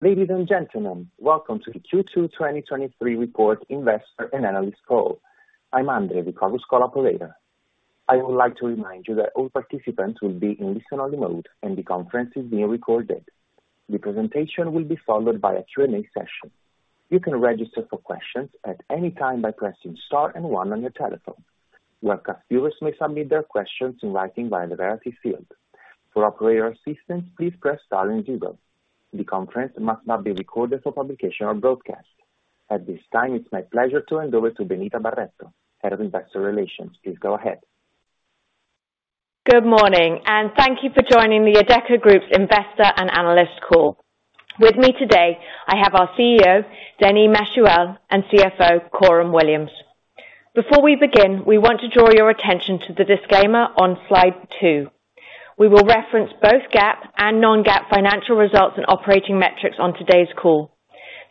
Ladies and gentlemen, welcome to the Q2 2023 Report Investor and Analyst Call. I'm Andre, the call's operator. I would like to remind you that all participants will be in listen-only mode, and the conference is being recorded. The presentation will be followed by a Q&A session. You can register for questions at any time by pressing star and one on your telephone. Webcast users may submit their questions in writing via the Q&A field. For operator assistance, please press star and zero. The conference must not be recorded for publication or broadcast. At this time, it's my pleasure to hand over to Benita Barreto, Head of Investor Relations. Please go ahead. Good morning, thank you for joining the Adecco Group's Investor and Analyst Call. With me today, I have our CEO, Denis Machuel, and CFO, Coram Williams. Before we begin, we want to draw your attention to the disclaimer on Slide 2. We will reference both GAAP and non-GAAP financial results and operating metrics on today's call.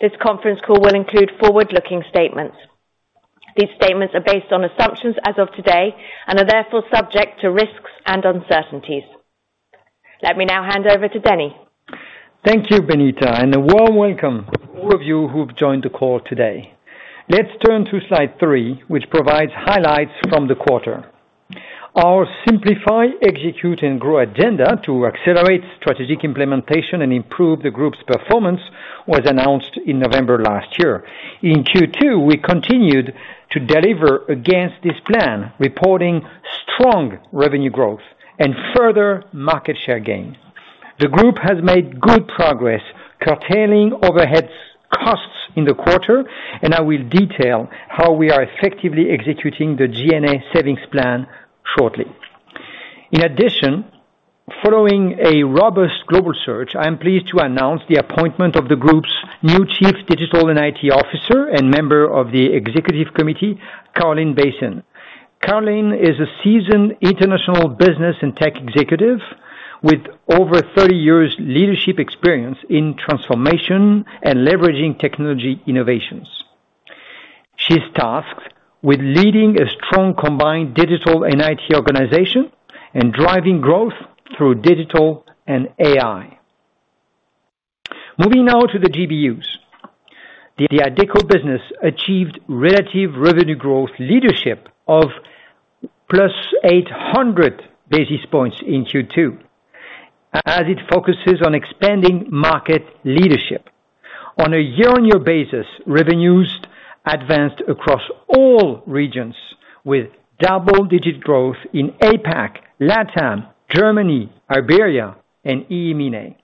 This conference call will include forward-looking statements. These statements are based on assumptions as of today and are therefore subject to risks and uncertainties. Let me now hand over to Denis. Thank you, Benita, and a warm welcome to all of you who've joined the call today. Let's turn to Slide 3, which provides highlights from the quarter. Our Simplify, Execute, and Grow agenda to accelerate strategic implementation and improve the group's performance, was announced in November last year. In Q2, we continued to deliver against this plan, reporting strong revenue growth and further market share gain. The group has made good progress, curtailing overheads costs in the quarter, and I will detail how we are effectively executing the G&A savings plan shortly. In addition, following a robust global search, I am pleased to announce the appointment of the group's new Chief Digital and IT Officer and member of the Executive Committee, Caroline Basyn. Caroline is a seasoned international business and tech executive with over 30 years leadership experience in transformation and leveraging technology innovations. She's tasked with leading a strong combined digital and AI organization and driving growth through digital and AI. Moving now to the GBUs. The Adecco business achieved relative revenue growth leadership of +800 basis points in Q2, as it focuses on expanding market leadership. On a year-on-year basis, revenues advanced across all regions, with double-digit growth in APAC, LATAM, Germany, Iberia, and EAME.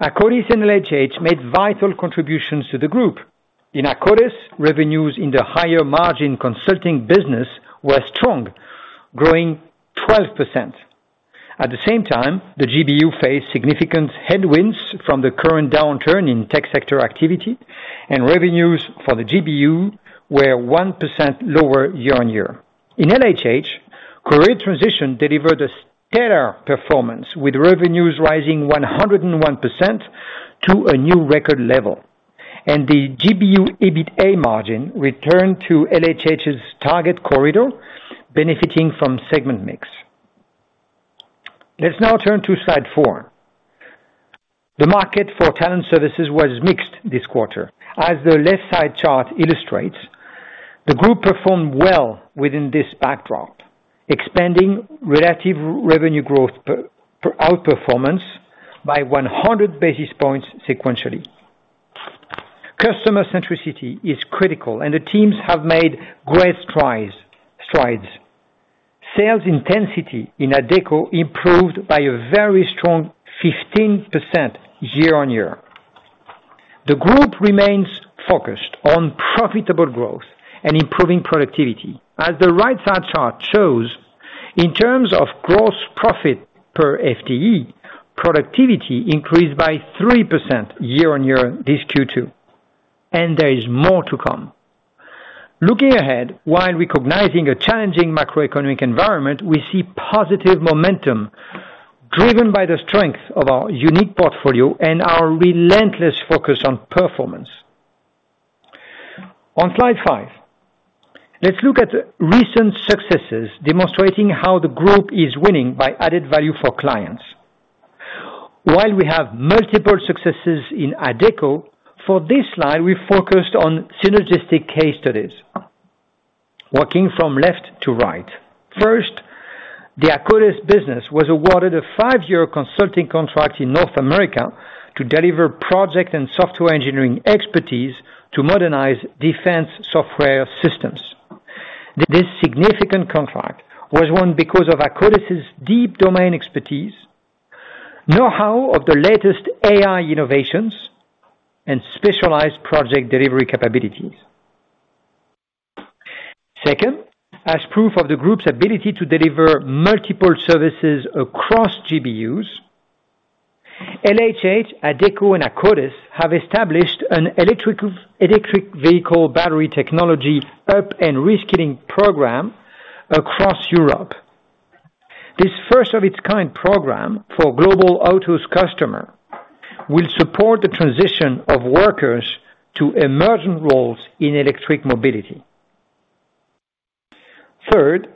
Akkodis and LHH made vital contributions to the group. In Akkodis, revenues in the higher margin consulting business were strong, growing 12%. At the same time, the GBU faced significant headwinds from the current downturn in tech sector activity, and revenues for the GBU were 1% lower year-on-year. In LHH, career transition delivered a stellar performance, with revenues rising 101% to a new record level, and the GBU EBITA margin returned to LHH's target corridor, benefiting from segment mix. Let's now turn to Slide 4. The market for talent services was mixed this quarter. As the left side chart illustrates, the group performed well within this backdrop, expanding relative revenue growth per outperformance by 100 basis points sequentially. Customer centricity is critical, and the teams have made great strides. Sales intensity in Adecco improved by a very strong 15% year-on-year. The group remains focused on profitable growth and improving productivity. As the right side chart shows, in terms of gross profit per FTE, productivity increased by 3% year-on-year, this Q2, and there is more to come. Looking ahead, while recognizing a challenging macroeconomic environment, we see positive momentum, driven by the strength of our unique portfolio and our relentless focus on performance. On Slide 5, let's look at recent successes, demonstrating how the group is winning by added value for clients. While we have multiple successes in Adecco, for this slide, we focused on synergistic case studies. Working from left to right. First, the Akkodis business was awarded a 5-year consulting contract in North America to deliver project and software engineering expertise to modernize defense software systems. This significant contract was won because of Akkodis's deep domain expertise, know-how of the latest AI innovations, and specialized project delivery capabilities. Second, as proof of the group's ability to deliver multiple services across GBUs, LHH, Adecco, and Akkodis have established an electric vehicle battery technology up and reskilling program across Europe. This first-of-its-kind program for global autos customer, will support the transition of workers to emergent roles in electric mobility. Third,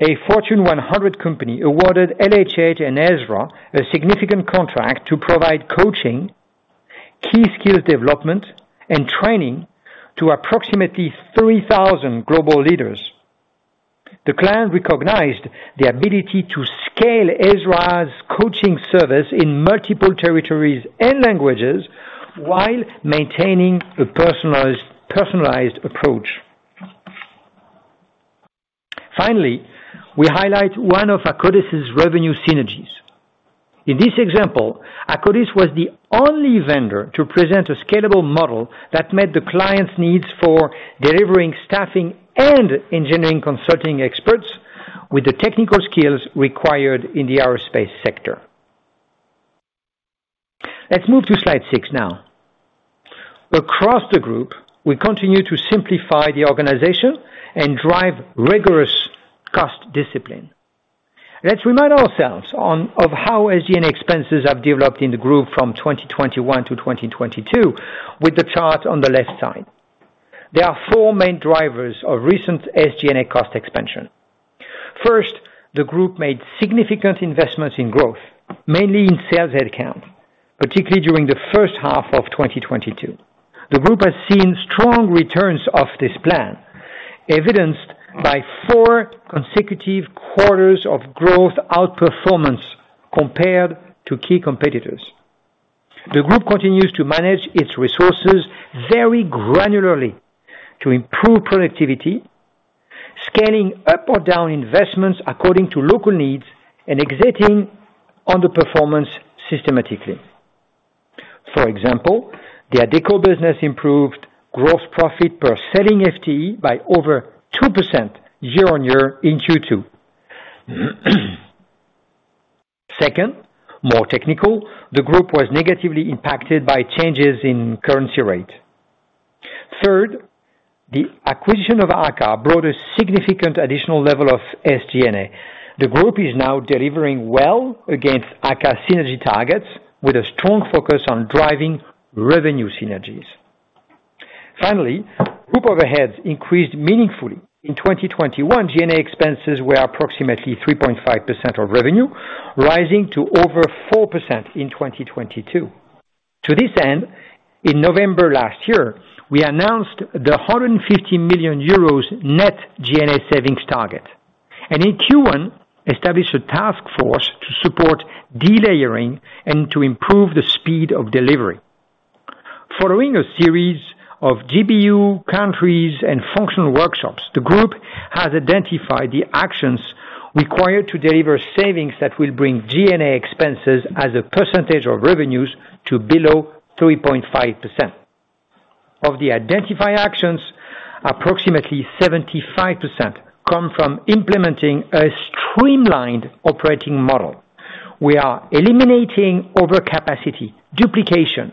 a Fortune one hundred company awarded LHH and EZRA a significant contract to provide coaching, key skills development, and training to approximately 3,000 global leaders. The client recognized the ability to scale EZRA's coaching service in multiple territories and languages while maintaining a personalized, personalized approach. Finally, we highlight one of Akkodis's revenue synergies. In this example, Akkodis was the only vendor to present a scalable model that met the client's needs for delivering staffing and engineering consulting experts with the technical skills required in the aerospace sector. Let's move to Slide 6 now. Across the group, we continue to simplify the organization and drive rigorous cost discipline. Let's remind ourselves of how SG&A expenses have developed in the group from 2021 to 2022, with the chart on the left side. There are four main drivers of recent SG&A cost expansion. First, the group made significant investments in growth, mainly in sales head count, particularly during the first half of 2022. The group has seen strong returns of this plan, evidenced by four consecutive quarters of growth outperformance compared to key competitors. The group continues to manage its resources very granularly to improve productivity, scaling up or down investments according to local needs, and exiting underperformance systematically. For example, the Adecco business improved gross profit per selling FTE by over 2% year-on-year in Q2. Second, more technical, the group was negatively impacted by changes in currency rate. Third, the acquisition of AKKA brought a significant additional level of SG&A. The group is now delivering well against AKKA synergy targets, with a strong focus on driving revenue synergies. Finally, group overheads increased meaningfully. In 2021, G&A expenses were approximately 3.5% of revenue, rising to over 4% in 2022. To this end, in November last year, we announced the €150 million net G&A savings target, and in Q1, established a task force to support delayering and to improve the speed of delivery. Following a series of GBU countries and functional workshops, the group has identified the actions required to deliver savings that will bring G&A expenses as a percentage of revenues to below 3.5%. Of the identified actions, approximately 75% come from implementing a streamlined operating model. We are eliminating overcapacity, duplication,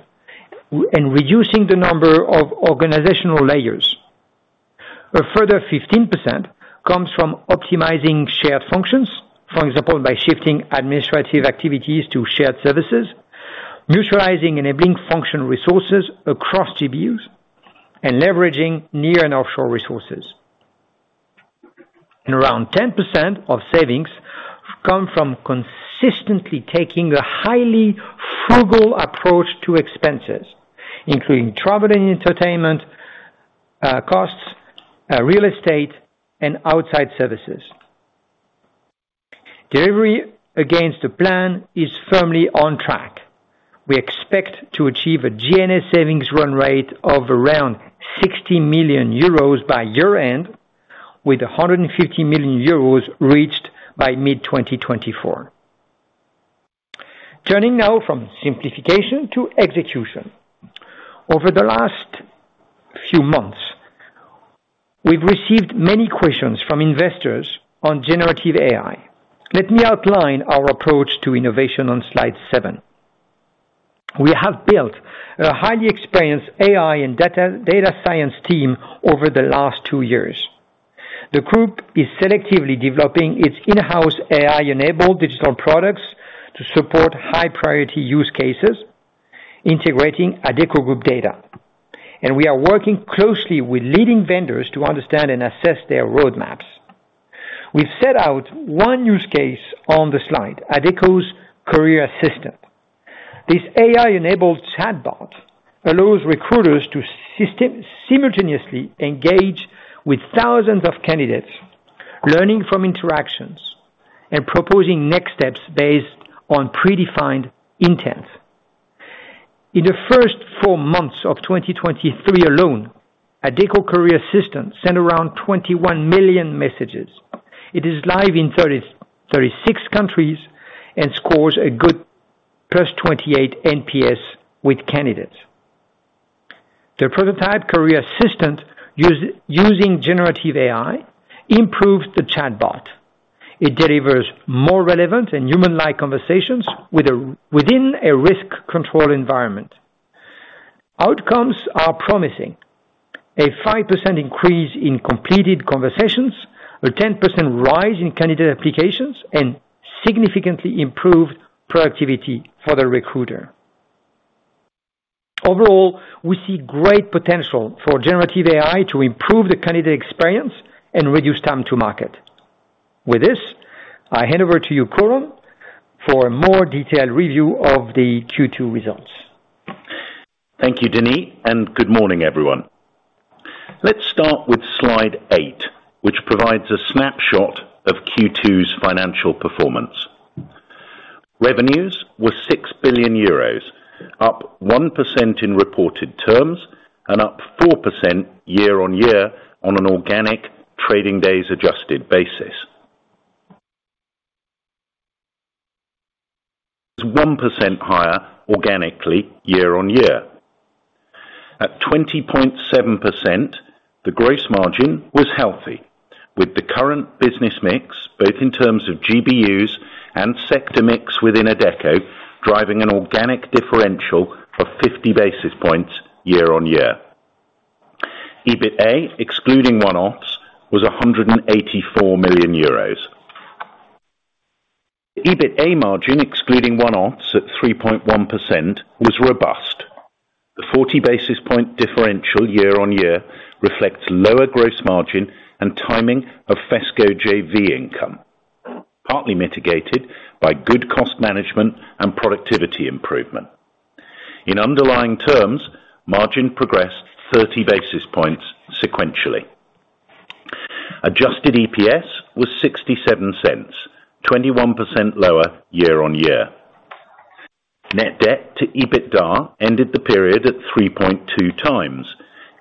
and reducing the number of organizational layers. A further 15% comes from optimizing shared functions. For example, by shifting administrative activities to shared services, neutralizing and enabling functional resources across GBUs, and leveraging near and offshore resources. Around 10% of savings come from consistently taking a highly frugal approach to expenses, including travel and entertainment, costs, real estate, and outside services. Delivery against the plan is firmly on track. We expect to achieve a G&A savings run rate of around 60 million euros by year-end, with 150 million euros reached by mid-2024. Turning now from simplification to execution. Over the last few months, we've received many questions from investors on generative AI. Let me outline our approach to innovation on Slide 7. We have built a highly experienced AI and data, data science team over the last two years. The group is selectively developing its in-house AI-enabled digital products to support high-priority use cases, integrating Adecco Group data, and we are working closely with leading vendors to understand and assess their roadmaps. We've set out one use case on the slide, Adecco's Career Assistant. This AI-enabled chatbot allows recruiters to simultaneously engage with thousands of candidates, learning from interactions and proposing next steps based on predefined intent. In the first four months of 2023 alone, Adecco Career Assistant sent around 21 million messages. It is live in 30, 36 countries and scores a good +28 NPS with candidates. The prototype Career Assistant using generative AI improves the chatbot. It delivers more relevant and human-like conversations within a risk control environment. Outcomes are promising. A 5% increase in completed conversations, a 10% rise in candidate applications, and significantly improved productivity for the recruiter. Overall, we see great potential for generative AI to improve the candidate experience and reduce time to market. With this, I hand over to you, Coram, for a more detailed review of the Q2 results. Thank you, Denis, and good morning, everyone. Let's start with Slide 8, which provides a snapshot of Q2 financial performance. Revenues were 6 billion euros, up 1% in reported terms and up 4% year-on-year on an organic trading days adjusted basis. 1% higher organically, year-on-year. At 20.7%, the gross margin was healthy, with the current business mix, both in terms of GBUs and sector mix within Adecco, driving an organic differential of 50 basis points year-on-year. EBITA, excluding one-offs, was 184 million euros. EBITA margin, excluding one-offs, at 3.1%, was robust. The 40 basis point differential year-on-year reflects lower gross margin and timing of FESCO JV income, partly mitigated by good cost management and productivity improvement. In underlying terms, margin progressed 30 basis points sequentially. Adjusted EPS was €0.67, 21% lower year-on-year. Net debt to EBITDA ended the period at 3.2x,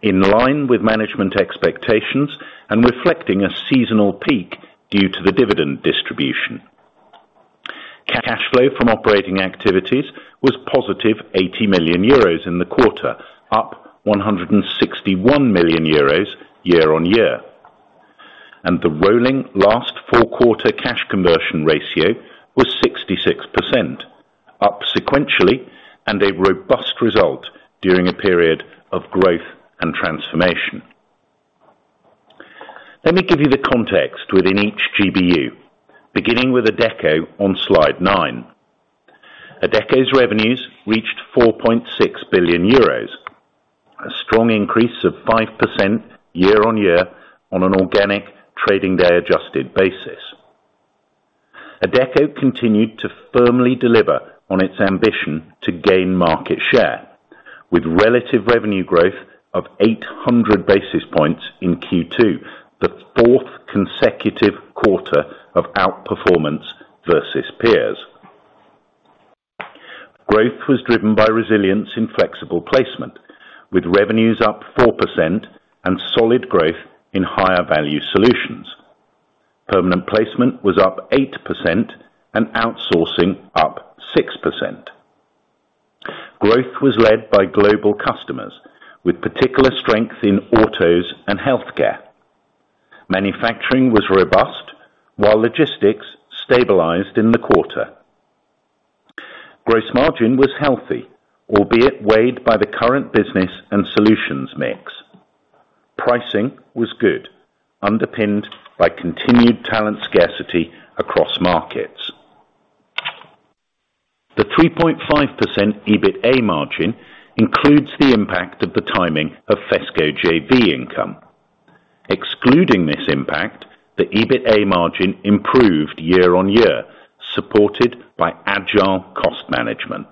in line with management expectations and reflecting a seasonal peak due to the dividend distribution. Cash flow from operating activities was positive 80 million euros in the quarter, up 161 million euros year-on-year, and the rolling last four-quarter cash conversion ratio was 66%, up sequentially, and a robust result during a period of growth and transformation. Let me give you the context within each GBU, beginning with Adecco on Slide 9. Adecco's revenues reached 4.6 billion euros, a strong increase of 5% year-on-year on an organic trading day adjusted basis. Adecco continued to firmly deliver on its ambition to gain market share, with relative revenue growth of 800 basis points in Q2, the fourth consecutive quarter of outperformance versus peers. Growth was driven by resilience in flexible placement, with revenues up 4% and solid growth in higher value solutions. Permanent placement was up 8% and outsourcing up 6%. Growth was led by global customers, with particular strength in autos and healthcare. Manufacturing was robust, while logistics stabilized in the quarter. Gross margin was healthy, albeit weighed by the current business and solutions mix. Pricing was good, underpinned by continued talent scarcity across markets. The 3.5% EBITA margin includes the impact of the timing of FESCO JV income. Excluding this impact, the EBITA margin improved year-on-year, supported by agile cost management.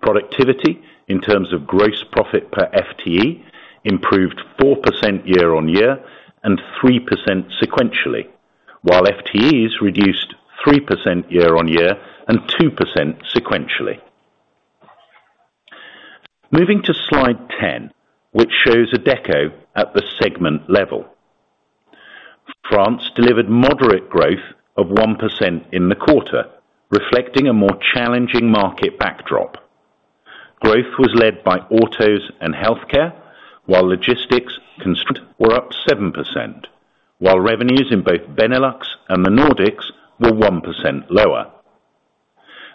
Productivity, in terms of gross profit per FTE, improved 4% year-on-year and 3% sequentially, while FTEs reduced 3% year-on-year and 2% sequentially. Moving to Slide 10, which shows Adecco at the segment level. France delivered moderate growth of 1% in the quarter, reflecting a more challenging market backdrop. Growth was led by autos and healthcare, while logistics were up 7%, while revenues in both Benelux and the Nordics were 1% lower.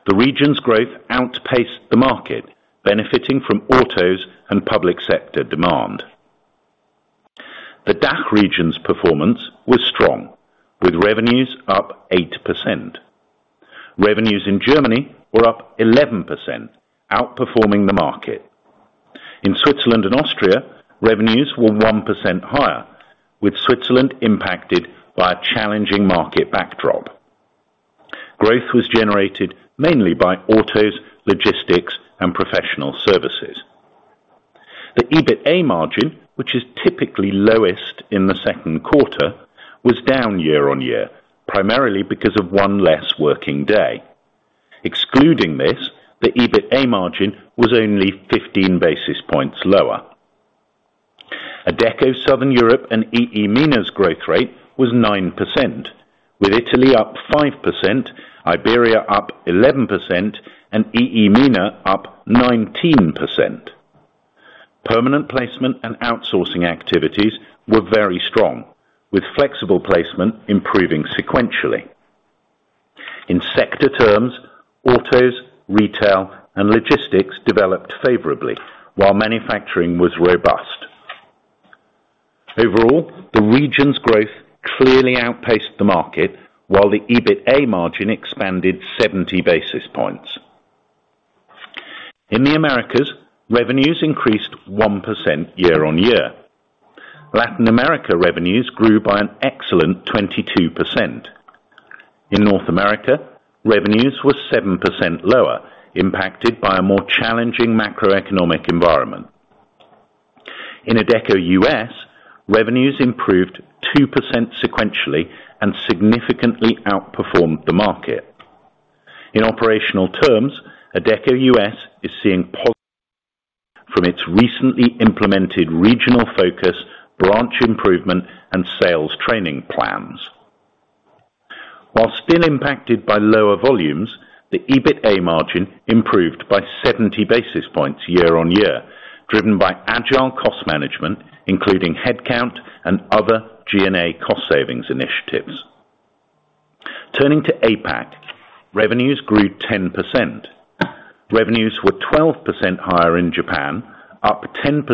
The region's growth outpaced the market, benefiting from autos and public sector demand. The DAC region's performance was strong, with revenues up 8%. Revenues in Germany were up 11%, outperforming the market. In Switzerland and Austria, revenues were 1% higher, with Switzerland impacted by a challenging market backdrop. Growth was generated mainly by autos, logistics, and professional services. The EBITA margin, which is typically lowest in Q2, was down year-on-year, primarily because of one less working day. Excluding this, the EBITA margin was only 15 basis points lower. Adecco Southern Europe and EE MENA's growth rate was 9%, with Italy up 5%, Iberia up 11%, and EE MENA up 19%. Permanent placement and outsourcing activities were very strong, with flexible placement improving sequentially. In sector terms, autos, retail, and logistics developed favorably, while manufacturing was robust. Overall, the region's growth clearly outpaced the market, while the EBITA margin expanded 70 basis points. In the Americas, revenues increased 1% year-on-year. Latin America revenues grew by an excellent 22%. In North America, revenues were 7% lower, impacted by a more challenging macroeconomic environment. In Adecco US, revenues improved 2% sequentially and significantly outperformed the market. In operational terms, Adecco US is seeing positive from its recently implemented regional focus, branch improvement, and sales training plans. While still impacted by lower volumes, the EBITA margin improved by 70 basis points year-on-year, driven by agile cost management, including headcount and other G&A cost savings initiatives. Turning to APAC, revenues grew 10%. Revenues were 12% higher in Japan, up 10%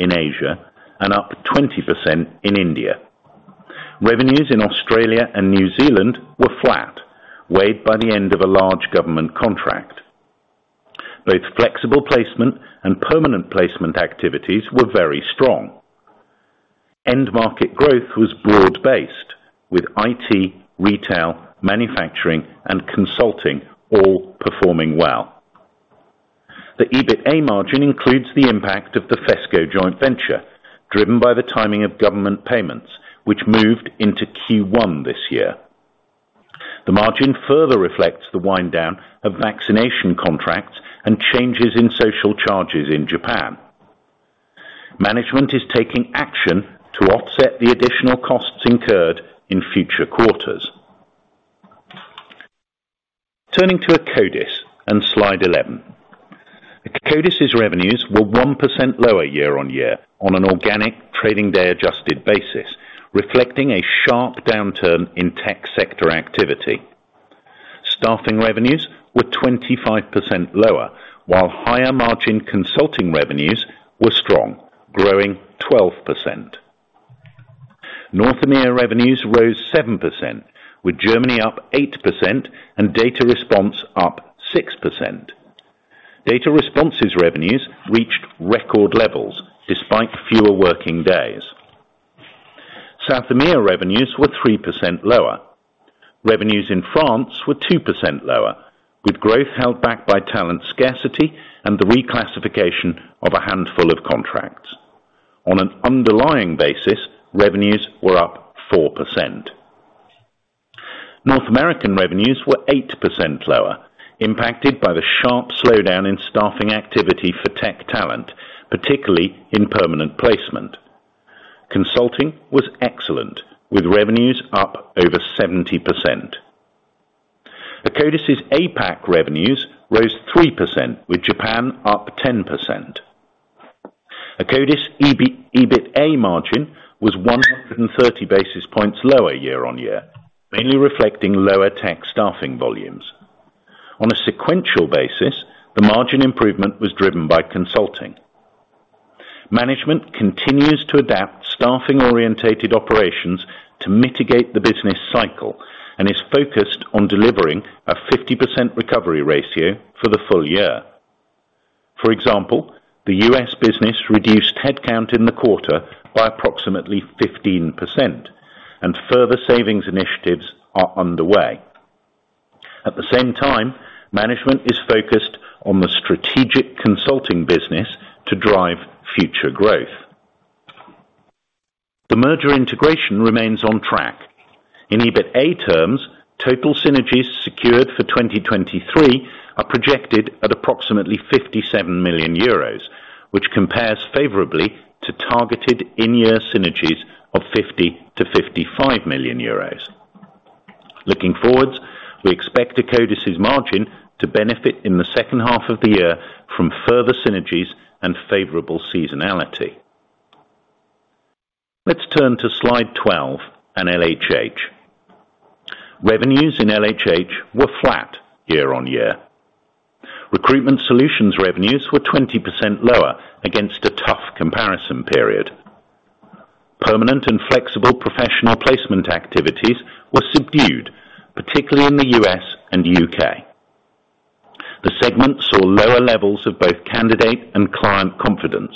in Asia, and up 20% in India. Revenues in Australia and New Zealand were flat, weighed by the end of a large government contract. Both flexible placement and permanent placement activities were very strong. End market growth was broad-based, with IT, retail, manufacturing, and consulting all performing well. The EBITA margin includes the impact of the FESCO joint venture, driven by the timing of government payments, which moved into Q1 this year. The margin further reflects the wind down of vaccination contracts and changes in social charges in Japan. Management is taking action to offset the additional costs incurred in future quarters. Turning to Akkodis and Slide 11. Akkodis's revenues were 1% lower year-on-year on an organic trading day adjusted basis, reflecting a sharp downturn in tech sector activity. Staffing revenues were 25% lower, while higher margin consulting revenues were strong, growing 12%. North EAME revenues rose 7%, with Germany up 8% and Data Respons up 6%. Data responses revenues reached record levels despite fewer working days. South EAME revenues were 3% lower. Revenues in France were 2% lower, with growth held back by talent scarcity and the reclassification of a handful of contracts. On an underlying basis, revenues were up 4%. North American revenues were 8% lower, impacted by the sharp slowdown in staffing activity for tech talent, particularly in permanent placement. Consulting was excellent, with revenues up over 70%. Akkodis's APAC revenues rose 3%, with Japan up 10%. Akkodis EBITA margin was 130 basis points lower year-on-year, mainly reflecting lower tech staffing volumes. On a sequential basis, the margin improvement was driven by consulting. Management continues to adapt staffing-orientated operations to mitigate the business cycle and is focused on delivering a 50% recovery ratio for the full year. For example, the U.S. business reduced headcount in the quarter by approximately 15%, and further savings initiatives are underway. At the same time, management is focused on the strategic consulting business to drive future growth. The merger integration remains on track. In EBITA terms, total synergies secured for 2023 are projected at approximately 57 million euros, which compares favorably to targeted in-year synergies of 50 million-55 million euros. Looking forward, we expect Akkodis's margin to benefit in the second half of the year from further synergies and favorable seasonality. Let's turn to Slide 12 and LHH. Revenues in LHH were flat year-on-year. Recruitment solutions revenues were 20% lower against a tough comparison period. Permanent and flexible professional placement activities were subdued, particularly in the U.S. and U.K. The segment saw lower levels of both candidate and client confidence.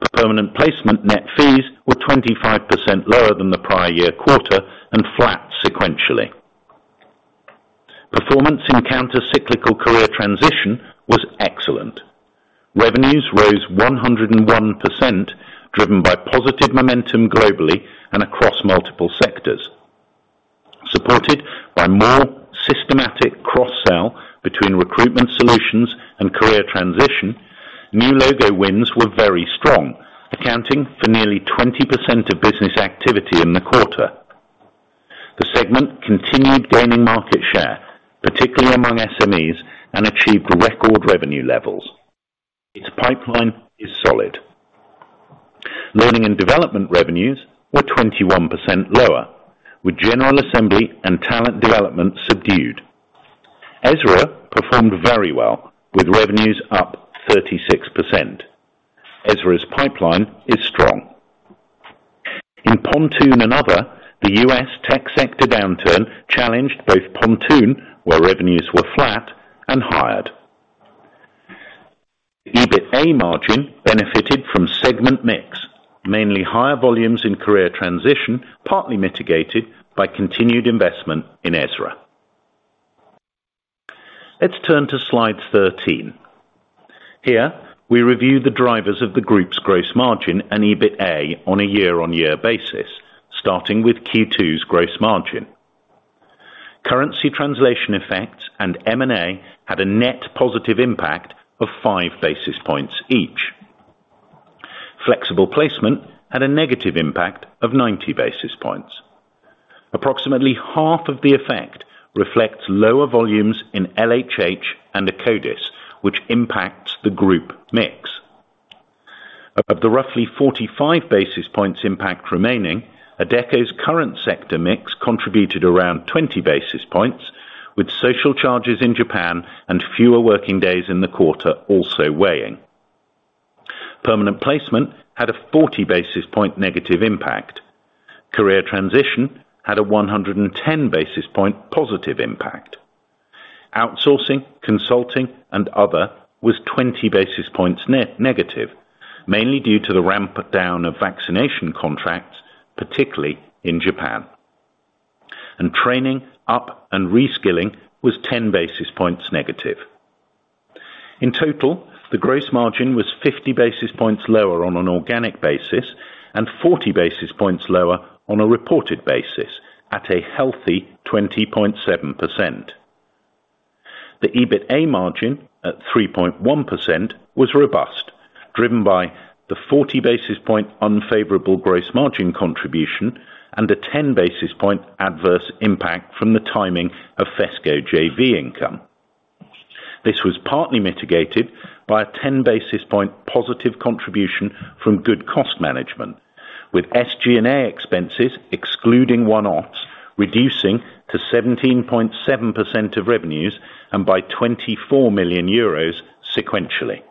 The permanent placement net fees were 25% lower than the prior year quarter and flat sequentially. Performance in counter cyclical career transition was excellent. Revenues rose 101%, driven by positive momentum globally and across multiple sectors, supported by more systematic cross-sell between recruitment solutions and career transition, new logo wins were very strong, accounting for nearly 20% of business activity in the quarter. The segment continued gaining market share, particularly among SMEs, and achieved record revenue levels. Its pipeline is solid. Learning and development revenues were 21% lower, with general assembly and talent development subdued. EZRA performed very well, with revenues up 36%. EZRA's pipeline is strong. In Pontoon and Other, the U.S. tech sector downturn challenged both Pontoon, where revenues were flat and hired. EBITA margin benefited from segment mix, mainly higher volumes in career transition, partly mitigated by continued investment in EZRA. Let's turn to slide 13. Here, we review the drivers of the group's gross margin and EBITA on a year-on-year basis, starting with Q2's gross margin. Currency translation effects and M&A had a net positive impact of 5 basis points each. Flexible Placement had a negative impact of 90 basis points. Approximately half of the effect reflects lower volumes in LHH and Akkodis, which impacts the group mix. Of the roughly 45 basis points impact remaining, Adecco's current sector mix contributed around 20 basis points, with social charges in Japan and fewer working days in the quarter also weighing. Permanent Placement had a 40 basis point negative impact. Career Transition had a 110 basis point positive impact. Outsourcing, consulting, and other was 20 basis points negative, mainly due to the ramp down of vaccination contracts, particularly in Japan. Training, up, and reskilling was 10 basis points negative. In total, the gross margin was 50 basis points lower on an organic basis and 40 basis points lower on a reported basis at a healthy 20.7%. The EBITA margin at 3.1% was robust, driven by the 40 basis point unfavorable gross margin contribution and a 10 basis point adverse impact from the timing of FESCO JV income. This was partly mitigated by a 10 basis point positive contribution from good cost management, with SG&A expenses, excluding one-offs, reducing to 17.7% of revenues and by 24 million euros sequentially.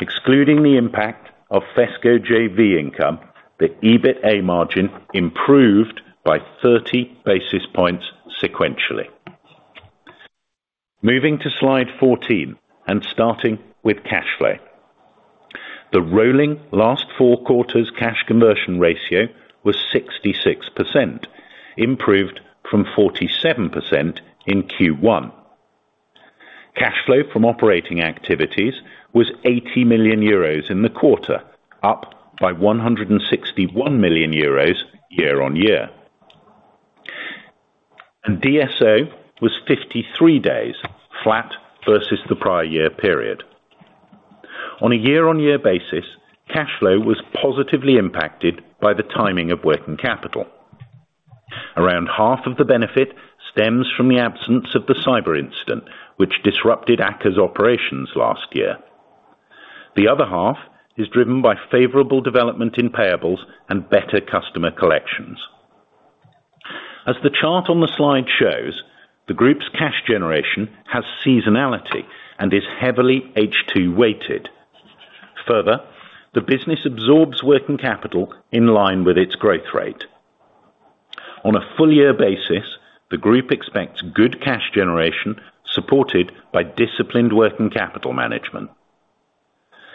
Excluding the impact of FESCO JV income, the EBITA margin improved by 30 basis points sequentially. Moving to Slide 14 and starting with cash flow. The rolling last four-quarter cash conversion ratio was 66%, improved from 47% in Q1. Cash flow from operating activities was 80 million euros in the quarter, up by 161 million euros year-on-year. DSO was 53 days, flat versus the prior year period. On a year-on-year basis, cash flow was positively impacted by the timing of working capital. Around half of the benefit stems from the absence of the cyber incident, which disrupted AKKA's operations last year. The other half is driven by favorable development in payables and better customer collections. As the chart on the slide shows, the group's cash generation has seasonality and is heavily H2 weighted. Further, the business absorbs working capital in line with its growth rate. On a full year basis, the group expects good cash generation, supported by disciplined working capital management.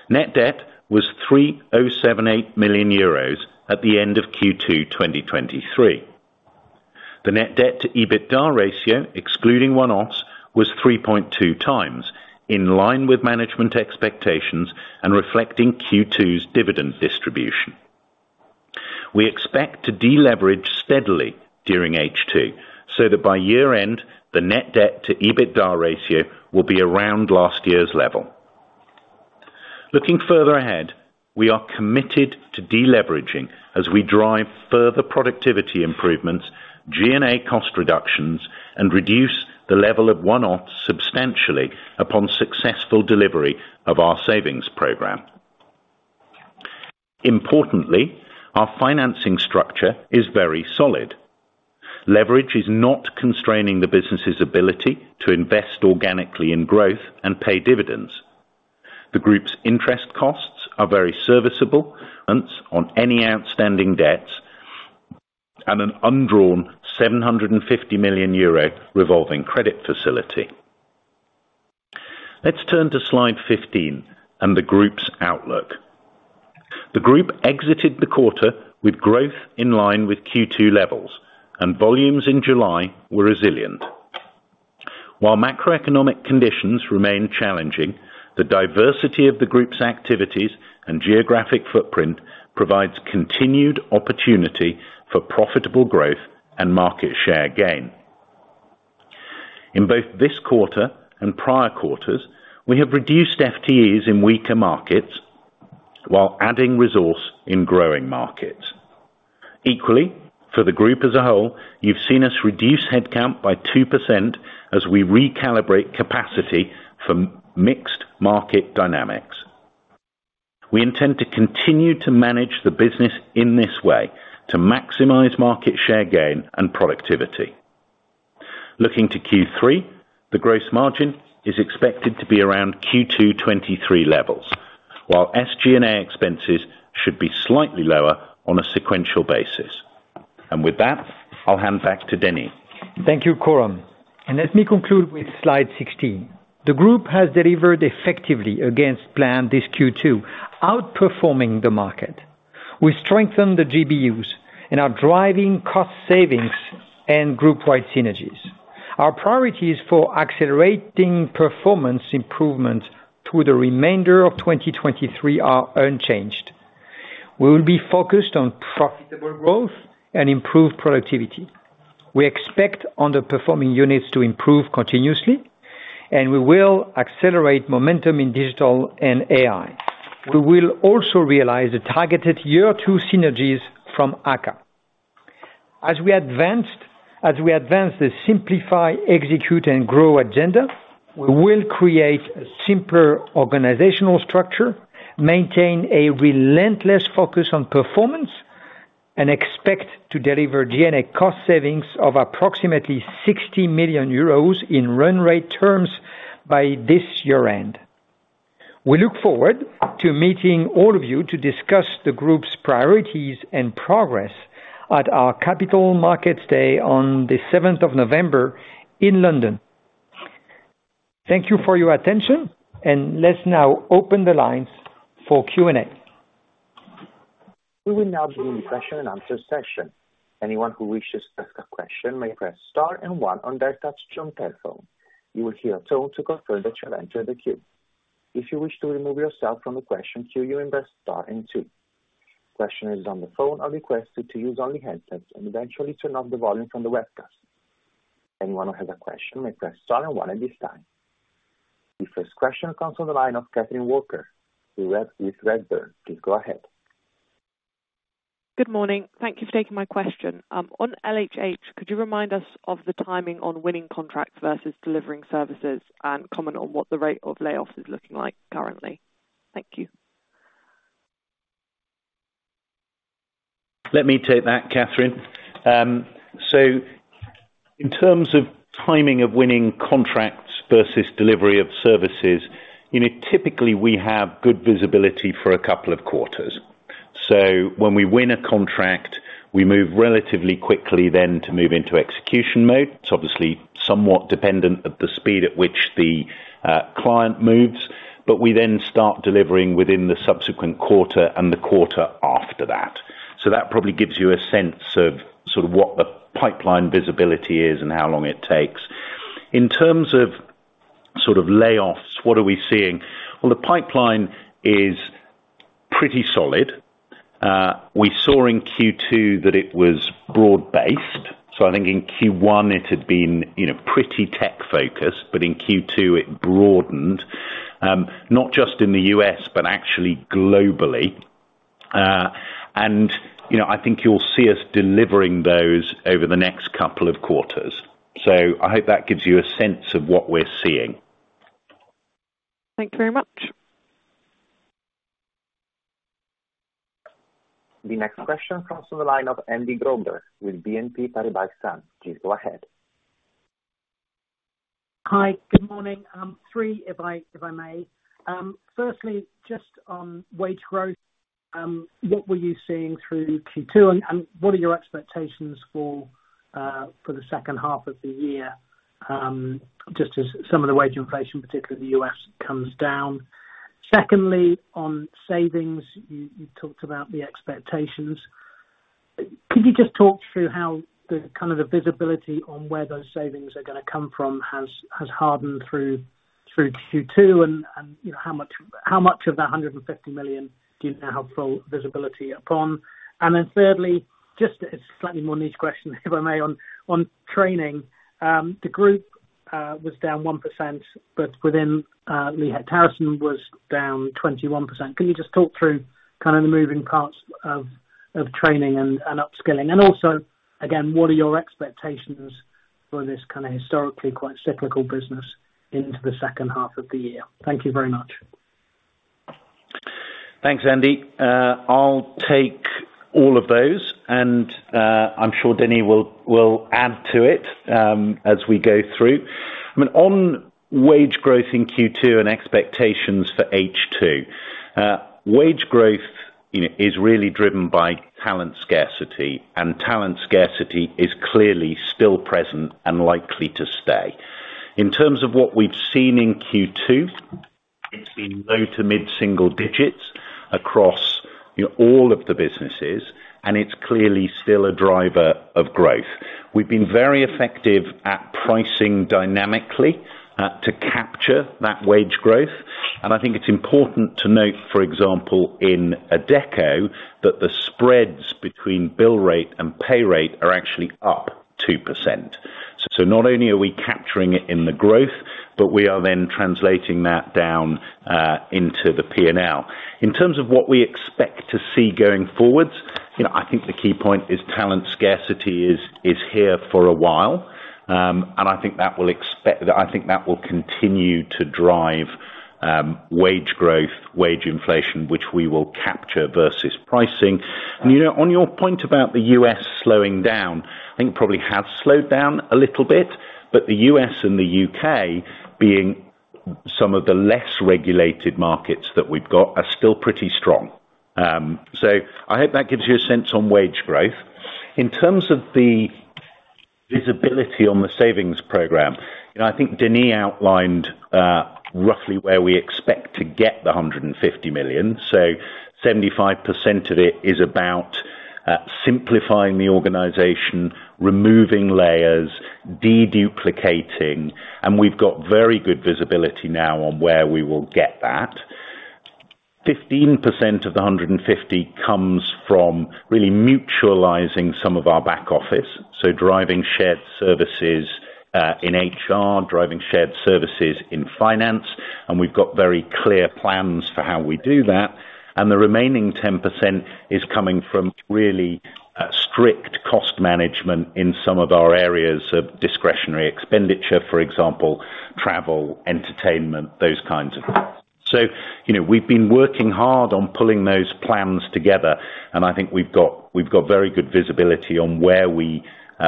Net debt was 3,078 million euros at the end of Q2 2023. The net debt to EBITDA ratio, excluding one-offs, was 3.2x, in line with management expectations and reflecting Q2's dividend distribution. We expect to deleverage steadily during H2, so that by year-end, the Net debt to EBITDA ratio will be around last year's level. Looking further ahead, we are committed to deleveraging as we drive further productivity improvements, G&A cost reductions, and reduce the level of one-off substantially upon successful delivery of our savings program. Importantly, our financing structure is very solid. Leverage is not constraining the business's ability to invest organically in growth and pay dividends. The group's interest costs are very serviceable and on any outstanding debts and an undrawn 750 million euro revolving credit facility. Let's turn to Slide 15 and the group's outlook. The group exited the quarter with growth in line with Q2 levels, and volumes in July were resilient. While macroeconomic conditions remain challenging, the diversity of the group's activities and geographic footprint provides continued opportunity for profitable growth and market share gain. In both this quarter and prior quarters, we have reduced FTEs in weaker markets while adding resource in growing markets. Equally, for the group as a whole, you've seen us reduce headcount by 2% as we recalibrate capacity for mixed market dynamics. We intend to continue to manage the business in this way to maximize market share gain and productivity. Looking to Q3, the gross margin is expected to be around Q2 2023 levels, while SG&A expenses should be slightly lower on a sequential basis. With that, I'll hand back to Denis. Thank you, Coram, and let me conclude with Slide 16. The group has delivered effectively against plan this Q2, outperforming the market. We strengthened the GBUs and are driving cost savings and group-wide synergies. Our priorities for accelerating performance improvement through the remainder of 2023 are unchanged. We will be focused on profitable growth and improved productivity. We expect underperforming units to improve continuously, and we will accelerate momentum in digital and AI. We will also realize the targeted year two synergies from AKKA. As we advance the Simplify, Execute, and Grow agenda, we will create a simpler organizational structure, maintain a relentless focus on performance, and expect to deliver G&A cost savings of approximately 60 million euros in run rate terms by this year-end. We look forward to meeting all of you to discuss the group's priorities and progress at our Capital Markets Day on the seventh of November in London. Thank you for your attention. Let's now open the lines for Q&A. We will now begin the question and answer session. Anyone who wishes to ask a question may press star and one on their touchtone phone. You will hear a tone to confirm that you have entered the queue. If you wish to remove yourself from the question queue, you will press star and two. Questioners on the phone are requested to use only headsets and eventually turn off the volume from the webcast. Anyone who has a question may press star and one at this time. The first question comes from the line of Catherine Walker with Redburn. Please go ahead. Good morning. Thank you for taking my question. On LHH, could you remind us of the timing on winning contracts versus delivering services and comment on what the rate of layoffs is looking like currently? Thank you. Let me take that, Catherine. In terms of timing of winning contracts versus delivery of services, you know, typically, we have good visibility for two quarters. When we win a contract, we move relatively quickly then to move into execution mode. It's obviously somewhat dependent at the speed at which the client moves, but we then start delivering within the subsequent quarter and the quarter after that. That probably gives you a sense of sort of what the pipeline visibility is and how long it takes. In terms of sort of layoffs, what are we seeing? Well, the pipeline is pretty solid. We saw in Q2 that it was broad-based. I think in Q1 it had been, you know, pretty tech-focused, but in Q2 it broadened, not just in the U.S., but actually globally. you know, I think you'll see us delivering those over the next couple of quarters. I hope that gives you a sense of what we're seeing. Thank you very much. The next question comes from the line of Andy Grobler with BNP Paribas Exane. Please go ahead. Hi. Good morning, three, if I, if I may. Firstly, just on wage growth, what were you seeing through Q2 and, and what are your expectations for the second half of the year, just as some of the wage inflation, particularly in the U.S., comes down? Secondly, on savings, you, you talked about the expectations. Could you just talk through how the kind of the visibility on where those savings are gonna come from has, has hardened through, through Q2 and, and, you know, how much, how much of that €150 million do you now have full visibility upon? Thirdly, just a slightly more niche question, if I may, on, on training. The group was down 1%, but within Lee Hecht Harrison was down 21%. Can you just talk through kind of the moving parts of training and upskilling? Also, again, what are your expectations for this kind of historically quite cyclical business into the second half of the year? Thank you very much. Thanks, Andy. I'll take all of those, and I'm sure Denis will add to it as we go through. I mean, on wage growth in Q2 and expectations for H2, wage growth, you know, is really driven by talent scarcity, and talent scarcity is clearly still present and likely to stay. In terms of what we've seen in Q2, it's been low to mid-single digits across, you know, all of the businesses, and it's clearly still a driver of growth. We've been very effective at pricing dynamically to capture that wage growth. I think it's important to note, for example, in Adecco, that the spreads between bill rate and pay rate are actually up 2%. Not only are we capturing it in the growth, but we are then translating that down into the P&L. In terms of what we expect to see going forward, you know, I think the key point is talent scarcity is, is here for a while. I think that will continue to drive wage growth, wage inflation, which we will capture versus pricing. You know, on your point about the US slowing down, I think probably have slowed down a little bit, but the US and the UK, being some of the less regulated markets that we've got, are still pretty strong. So I hope that gives you a sense on wage growth. In terms of the visibility on the savings program, I think Denis outlined roughly where we expect to get the €150 million. 75% of it is about simplifying the organization, removing layers, deduplicating, and we've got very good visibility now on where we will get that. 15% of the €150 million comes from really mutualizing some of our back office, so driving shared services in HR, driving shared services in finance, and we've got very clear plans for how we do that. The remaining 10% is coming from really, a strict cost management in some of our areas of discretionary expenditure, for example, travel, entertainment, those kinds of things. You know, we've been working hard on pulling those plans together, and I think we've got, we've got very good visibility on where we,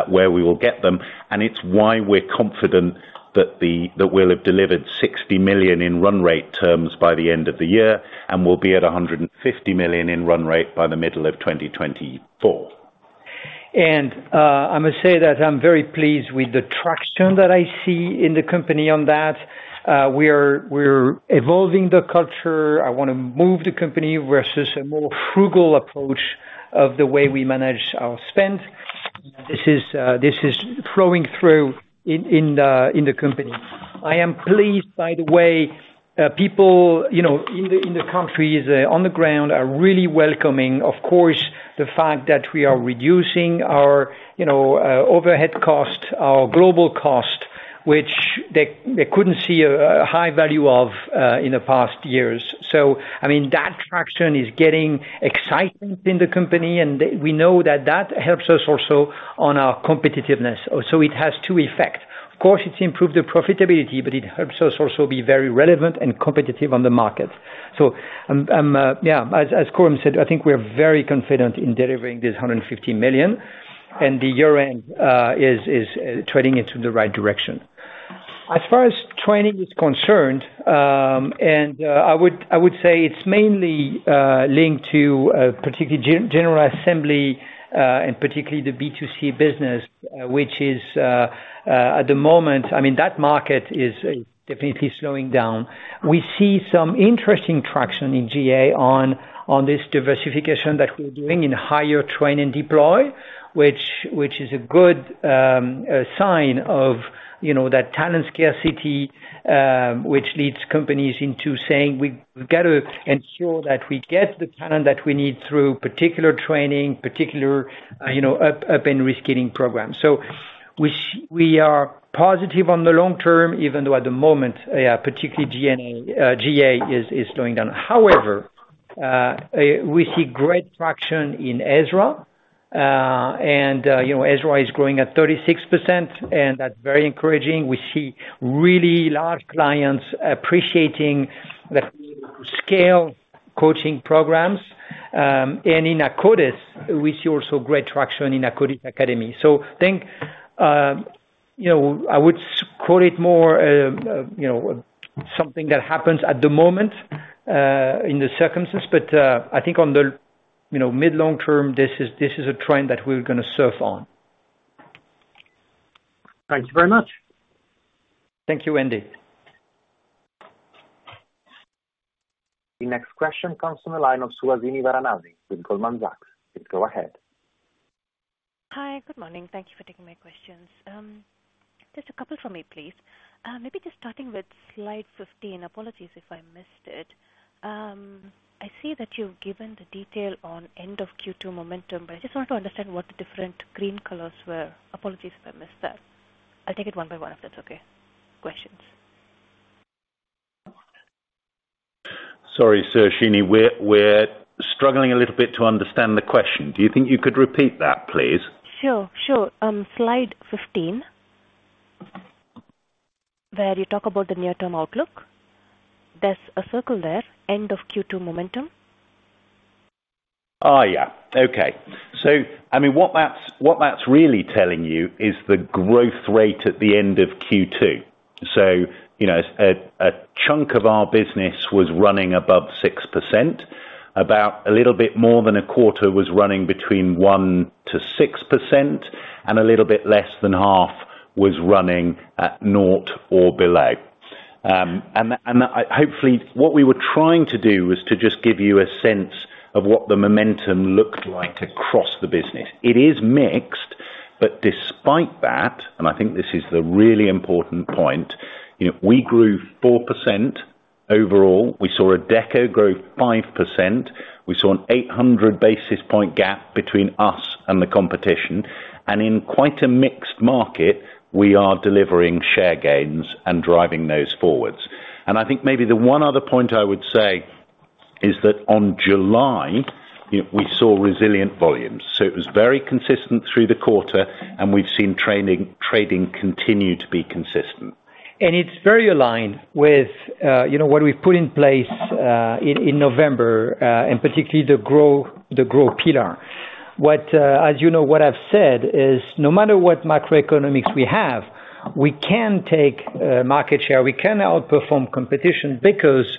where we will get them. It's why we're confident that we'll have delivered €60 million in run rate terms by the end of the year, and we'll be at €150 million in run rate by the middle of 2024. I must say that I'm very pleased with the traction that I see in the company on that. We are, we're evolving the culture. I wanna move the company versus a more frugal approach of the way we manage our spend. This is, this is flowing through in, in the, in the company. I am pleased, by the way, people, you know, in the, in the countries, on the ground, are really welcoming, of course, the fact that we are reducing our, you know, overhead cost, our global cost, which they, they couldn't see a, a high value of, in the past years. I mean, that traction is getting excitement in the company, and they, we know that that helps us also on our competitiveness. It has two effect. Of course, it's improved the profitability, but it helps us also be very relevant and competitive on the market. I'm, yeah, as, as Coram said, I think we are very confident in delivering this €150 million, and the year-end, is trending into the right direction. As far as training is concerned, and, I would, I would say it's mainly, linked to, particularly General Assembly, and particularly the B2C business, which is, at the moment. I mean, that market is definitely slowing down. We see some interesting traction in G&A on, on this diversification that we're doing in hire, train, and deploy, which, which is a good sign of, you know, that talent scarcity, which leads companies into saying, "We've gotta ensure that we get the talent that we need through particular training, particular, you know, up-and-reskilling programs." We are positive on the long term, even though at the moment, particularly G&A, G&A, is, is going down. However, we see great traction in EZRA, and, you know, EZRA is growing at 36%, and that's very encouraging. We see really large clients appreciating the scale coaching programs. In Akkodis, we see also great traction in Akkodis Academy. I think, you know, I would call it more, you know, something that happens at the moment, in the circumstance, but, I think on the, you know, mid long term, this is, this is a trend that we're gonna surf on. Thank you very much. Thank you, Andy. The next question comes from the line of Suhasini Varanasi with Goldman Sachs. Please go ahead. Hi, good morning. Thank you for taking my questions. Just a couple for me, please. Maybe just starting with Slide 15. Apologies if I missed it. I see that you've given the detail on end of Q2 momentum, but I just want to understand what the different green colors were. Apologies if I missed that. I'll take it one by one, if that's okay, questions. Sorry, Suhasini. We're struggling a little bit to understand the question. Do you think you could repeat that, please? Sure, sure. slide 15, where you talk about the near-term outlook. There's a circle there, end of Q2 momentum. Yeah. Okay. I mean, what that's, what that's really telling you is the growth rate at the end of Q2. You know, a, a chunk of our business was running above 6%. About a little bit more than a quarter was running between 1%-6%, and a little bit less than half was running at naught or below. And that, and that hopefully, what we were trying to do was to just give you a sense of what the momentum looked like across the business. It is mixed, but despite that, and I think this is the really important point, you know, we grew 4% overall. We saw Adecco grow 5%. We saw an 800 basis point gap between us and the competition, and in quite a mixed market, we are delivering share gains and driving those forwards. I think maybe the one other point I would say is that on July, you know, we saw resilient volumes. It was very consistent through the quarter, and we've seen trading continue to be consistent. It's very aligned with, you know, what we've put in place, in, in November, and particularly the Grow, the Grow pillar. What, as you know, what I've said is no matter what macroeconomics we have, we can take, market share, we can outperform competition because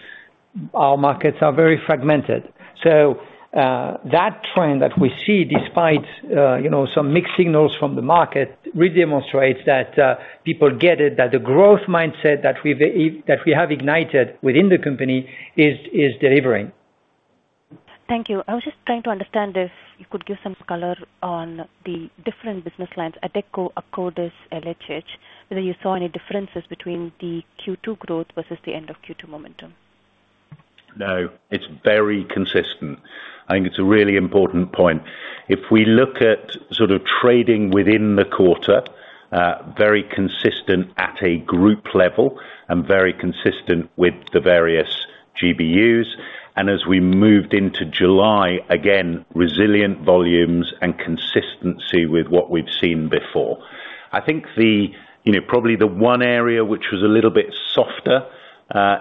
our markets are very fragmented. That trend that we see, despite, you know, some mixed signals from the market, really demonstrates that, people get it, that the growth mindset that we've, that we have ignited within the company is, is delivering. Thank you. I was just trying to understand if you could give some color on the different business lines, Adecco, Akkodis, LHH, whether you saw any differences between the Q2 growth versus the end of Q2 momentum? No, it's very consistent. I think it's a really important point. If we look at sort of trading within the quarter, very consistent at a group level and very consistent with the various GBUs. As we moved into July, again, resilient volumes and consistency with what we've seen before. I think the, you know, probably the one area which was a little bit softer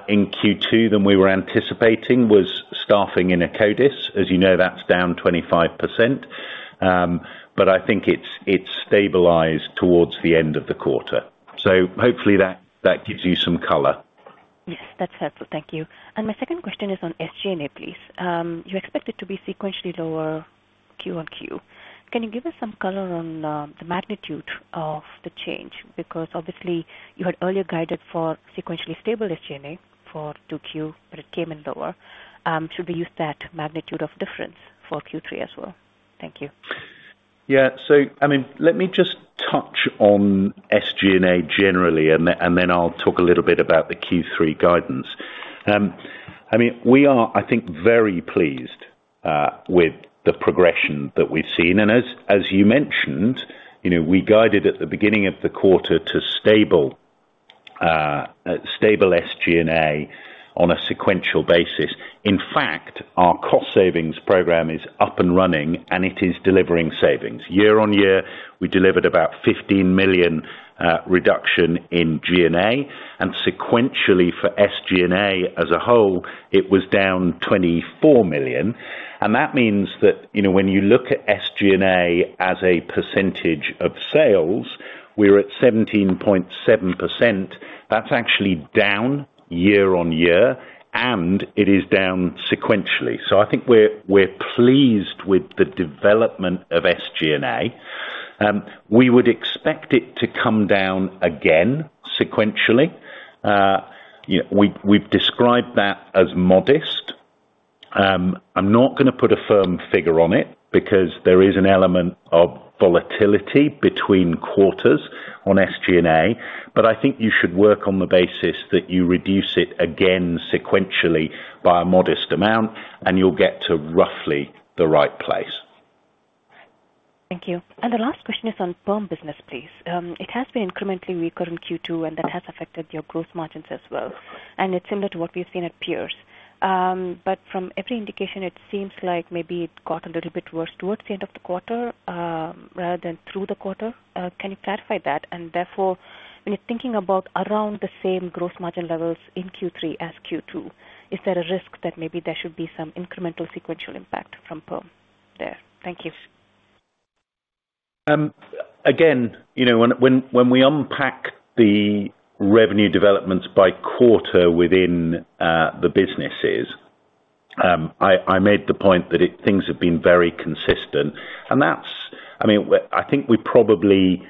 in Q2 than we were anticipating, was staffing in Akkodis. As you know, that's down 25%. But I think it's, it's stabilized towards the end of the quarter. Hopefully that, that gives you some color. Yes, that's helpful. Thank you. My second question is on SG&A, please. You expect it to be sequentially lower Q-on-Q. Can you give us some color on the magnitude of the change? Because obviously, you had earlier guided for sequentially stable SG&A for 2Q, but it came in lower. Should we use that magnitude of difference for Q3 as well? Thank you. I mean, let me just touch on SG&A generally, and then I'll talk a little bit about the Q3 guidance. I mean, we are, I think, very pleased, with the progression that we've seen, and as, as you mentioned, you know, we guided at the beginning of the quarter to stable, stable SG&A on a sequential basis. In fact, our cost savings program is up and running, and it is delivering savings. Year-on-year, we delivered about 15 million, reduction in G&A, and sequentially for SG&A as a whole, it was down 24 million, That means that, you know, when you look at SG&A as a percentage of sales, we're at 17.7%. That's actually down year-on-year, and it is down sequentially. I think we're, we're pleased with the development of SG&A. We would expect it to come down again sequentially. You know, we've, we've described that as modest. I'm not gonna put a firm figure on it because there is an element of volatility between quarters on SG&A, but I think you should work on the basis that you reduce it again sequentially by a modest amount, and you'll get to roughly the right place. Thank you. The last question is on Perm business, please. It has been incrementally weaker in Q2, and that has affected your gross margins as well, and it's similar to what we've seen at peers. From every indication, it seems like maybe it got a little bit worse towards the end of the quarter, rather than through the quarter. Can you clarify that? Therefore, when you're thinking about around the same gross margin levels in Q3 as Q2, is there a risk that maybe there should be some incremental sequential impact from Perm there? Thank you. Again, you know, when, when, when we unpack the revenue developments by quarter within the businesses, I, I made the point that things have been very consistent. I mean, we're, I think we probably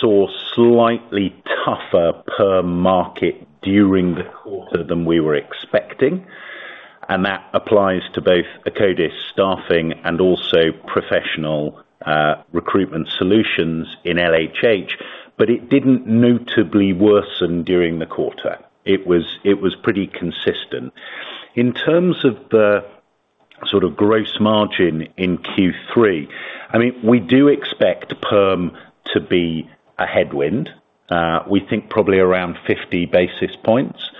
saw slightly tougher perm market during the quarter than we were expecting, and that applies to both Akkodis staffing and also professional recruitment solutions in LHH, but it didn't notably worsen during the quarter. It was, it was pretty consistent. In terms of the sort of gross margin in Q3, I mean, we do expect perm to be a headwind. We think probably around 50 basis points.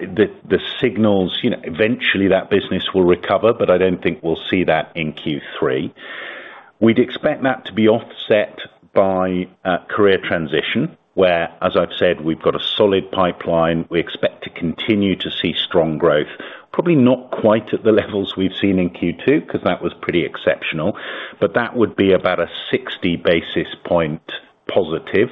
The, the signals, you know, eventually that business will recover, but I don't think we'll see that in Q3. We'd expect that to be offset by career transition, where, as I've said, we've got a solid pipeline. We expect to continue to see strong growth, probably not quite at the levels we've seen in Q2, because that was pretty exceptional, but that would be about a 60 basis point positive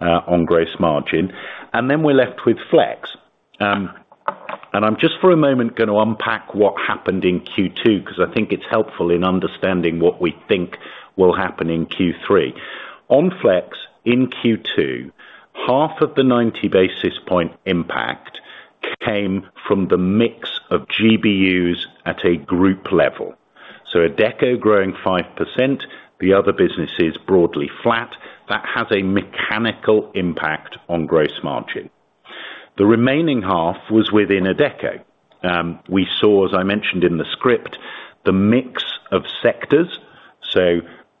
on gross margin. We're left with flex. And I'm just for a moment gonna unpack what happened in Q2, because I think it's helpful in understanding what we think will happen in Q3. On flex, in Q2, half of the 90 basis point impact came from the mix of GBUs at a group level. Adecco growing 5%, the other businesses broadly flat, that has a mechanical impact on gross margin. The remaining half was within Adecco. We saw, as I mentioned in the script, the mix of sectors.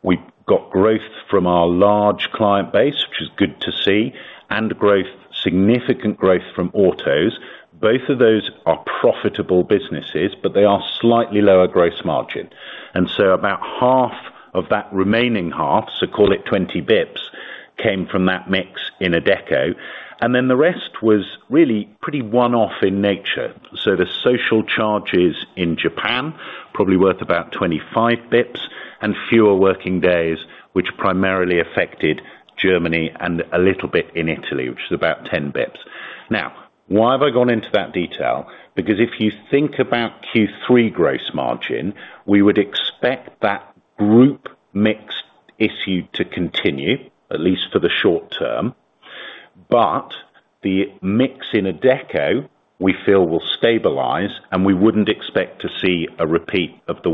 We've got growth from our large client base, which is good to see, and growth, significant growth from autos. Both of those are profitable businesses, but they are slightly lower gross margin, about half of that remaining half, so call it 20 Bips, came from that mix in Adecco, and then the rest was really pretty one-off in nature. The social charges in Japan probably worth about 25 Bips and fewer working days, which primarily affected Germany and a little bit in Italy, which is about 10 Bips. Why have I gone into that detail? Because if you think about Q3 gross margin, we would expect that group mix issue to continue, at least for the short term. The mix in Adecco, we feel will stabilize, and we wouldn't expect to see a repeat of the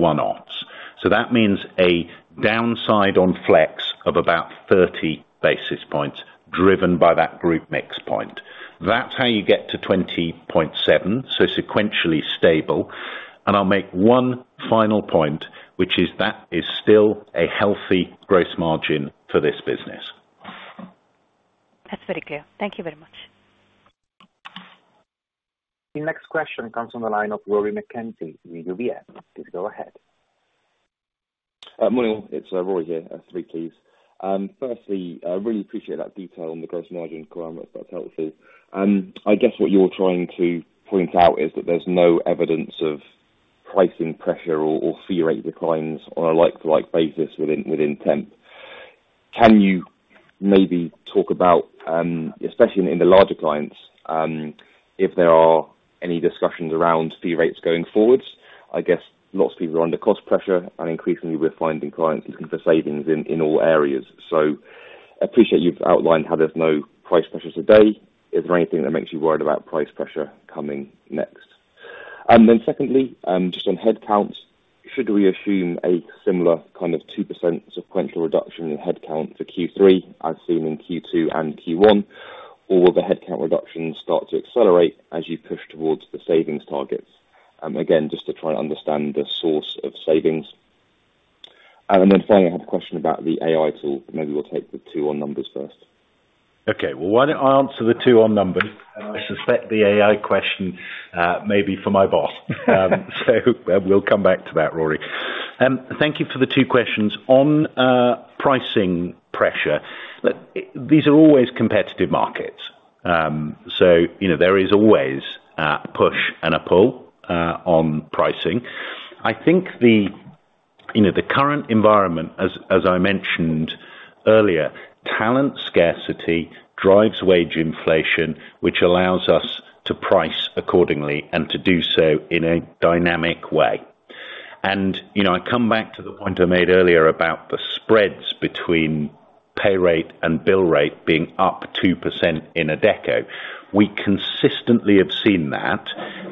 one-offs. That means a downside on flex of about 30 basis points, driven by that group mix point. That's how you get to 20.7, so sequentially stable. I'll make one final point, which is that is still a healthy gross margin for this business. That's very clear. Thank you very much. The next question comes from the line of Rory Mackenzie, UBS. Please go ahead. Morning, it's Rory here at three keys. Firstly, I really appreciate that detail on the gross margin requirements. That's helpful. I guess what you're trying to point out is that there's no evidence of pricing pressure or, or fee rate declines on a like-to-like basis within, within Temp. Can you maybe talk about, especially in the larger clients, if there are any discussions around fee rates going forward? I guess lots of people are under cost pressure, and increasingly we're finding clients looking for savings in, in all areas. I appreciate you've outlined how there's no price pressures today. Is there anything that makes you worried about price pressure coming next? Secondly, just on headcount, should we assume a similar kind of 2% sequential reduction in headcount for Q3 as seen in Q2 and Q1, or will the headcount reductions start to accelerate as you push towards the savings targets? Again, just to try and understand the source of savings. Finally, I have a question about the AI tool. Maybe we'll take the 2 on numbers first. Okay, well, why don't I answer the two on numbers? I suspect the AI question, maybe for my boss. We'll come back to that, Rory. Thank you for the two questions. On pricing pressure, these are always competitive markets. You know, there is always a push and a pull on pricing. I think the, you know, the current environment, as, as I mentioned earlier, talent scarcity drives wage inflation, which allows us to price accordingly and to do so in a dynamic way. You know, I come back to the point I made earlier about the spreads between pay rate and bill rate being up 2% in Adecco. We consistently have seen that,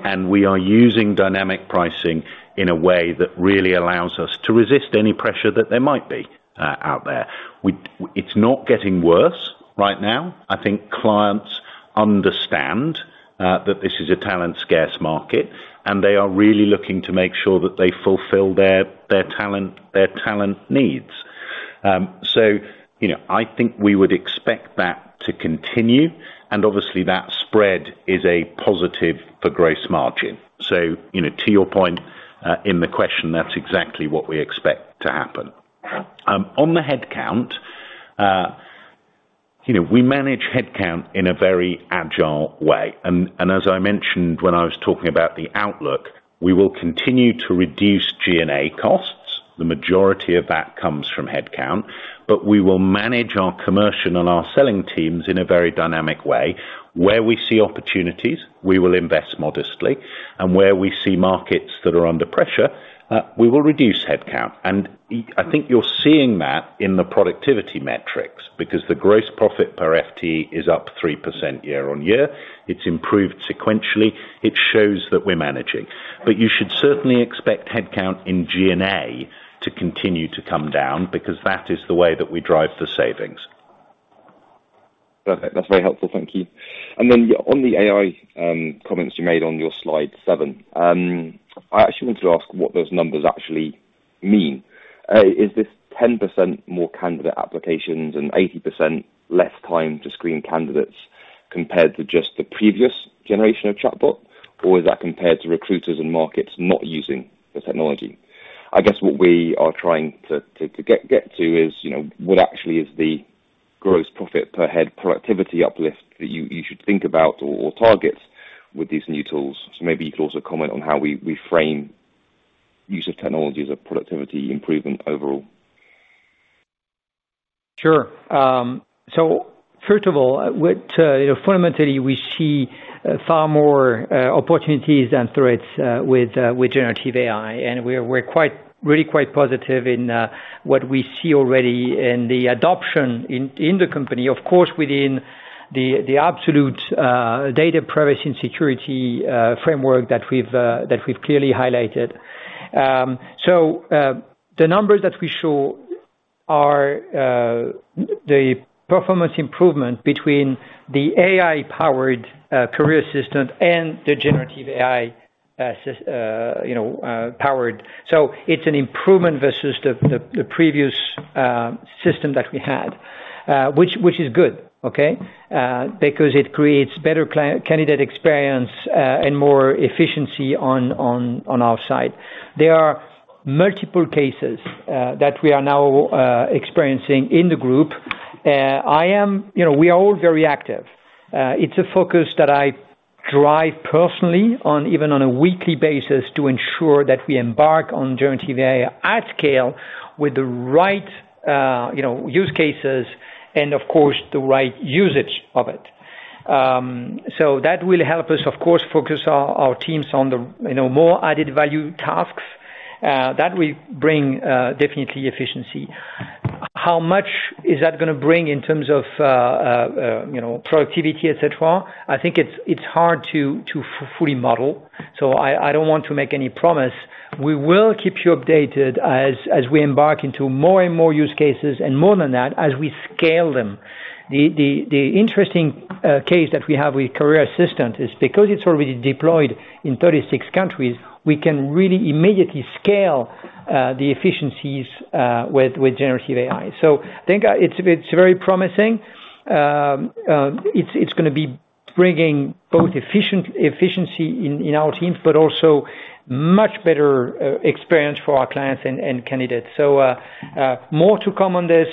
and we are using dynamic pricing in a way that really allows us to resist any pressure that there might be out there. It's not getting worse right now. I think clients understand that this is a talent scarce market, and they are really looking to make sure that they fulfill their, their talent, their talent needs. You know, I think we would expect that to continue, and obviously, that spread is a positive for gross margin. You know, to your point, in the question, that's exactly what we expect to happen. On the headcount, you know, we manage headcount in a very agile way. As I mentioned when I was talking about the outlook, we will continue to reduce G&A costs. The majority of that comes from headcount, but we will manage our commercial and our selling teams in a very dynamic way. Where we see opportunities, we will invest modestly, and where we see markets that are under pressure, we will reduce headcount. I think you're seeing that in the productivity metrics, because the gross profit per FTE is up 3% year-on-year. It's improved sequentially. It shows that we're managing. You should certainly expect headcount in G&A to continue to come down, because that is the way that we drive the savings. Perfect. That's very helpful. Thank you. On the AI comments you made on your Slide 7, I actually wanted to ask what those numbers actually mean. Is this 10% more candidate applications and 80% less time to screen candidates compared to just the previous generation of chatbot? Or is that compared to recruiters and markets not using the technology? I guess what we are trying to get to is, you know, what actually is the gross profit per head productivity uplift that you should think about or targets with these new tools. Maybe you could also comment on how we frame use of technology as a productivity improvement overall. Sure. First of all, what, fundamentally, we see far more opportunities than threats with generative AI, and we're, we're quite, really quite positive in what we see already in the adoption in the Group, of course, within the absolute data privacy and security framework that we've that we've clearly highlighted. The numbers that we show are the performance improvement between the AI-powered Career Assistant and the generative AI powered. It's an improvement versus the, the, the previous system that we had, which, which is good, okay? Because it creates better candidate experience and more efficiency on, on, on our side. There are multiple cases that we are now experiencing in the Group. You know, we are all very active. It's a focus that I drive personally on even on a weekly basis, to ensure that we embark on generative AI at scale with the right, you know, use cases and of course, the right usage of it. So that will help us, of course, focus our, our teams on the, you know, more added value tasks, that will bring, definitely efficiency. How much is that gonna bring in terms of, you know, productivity, et cetera? I think it's, it's hard to, to fully model, so I, I don't want to make any promise. We will keep you updated as, as we embark into more and more use cases, and more than that, as we scale them. The, the, the interesting case that we have with Career Assistant is because it's already deployed in 36 countries, we can really immediately scale the efficiencies with, with generative AI. I think it's very promising. It's gonna be bringing both efficiency in our teams, but also much better experience for our clients and candidates. More to come on this.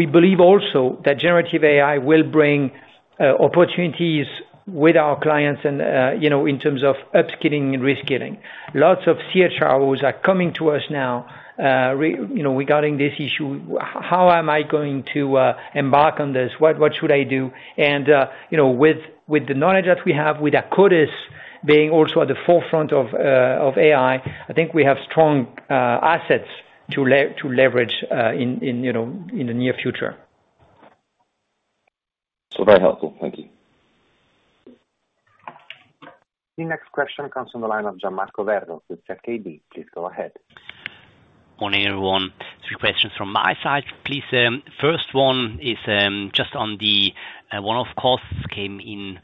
We believe also that generative AI will bring opportunities with our clients and, you know, in terms of upskilling and reskilling. Lots of CHROs are coming to us now, you know, regarding this issue. How am I going to embark on this? What, what should I do? You know, with, with the knowledge that we have, with Akkodis being also at the forefront of AI, I think we have strong assets to leverage, in, you know, in the near future. Very helpful. Thank you. The next question comes from the line of Gian Marco Werro of ZKB. Please go ahead. Morning, everyone. Three questions from my side, please. First one is, just on the one-off costs came in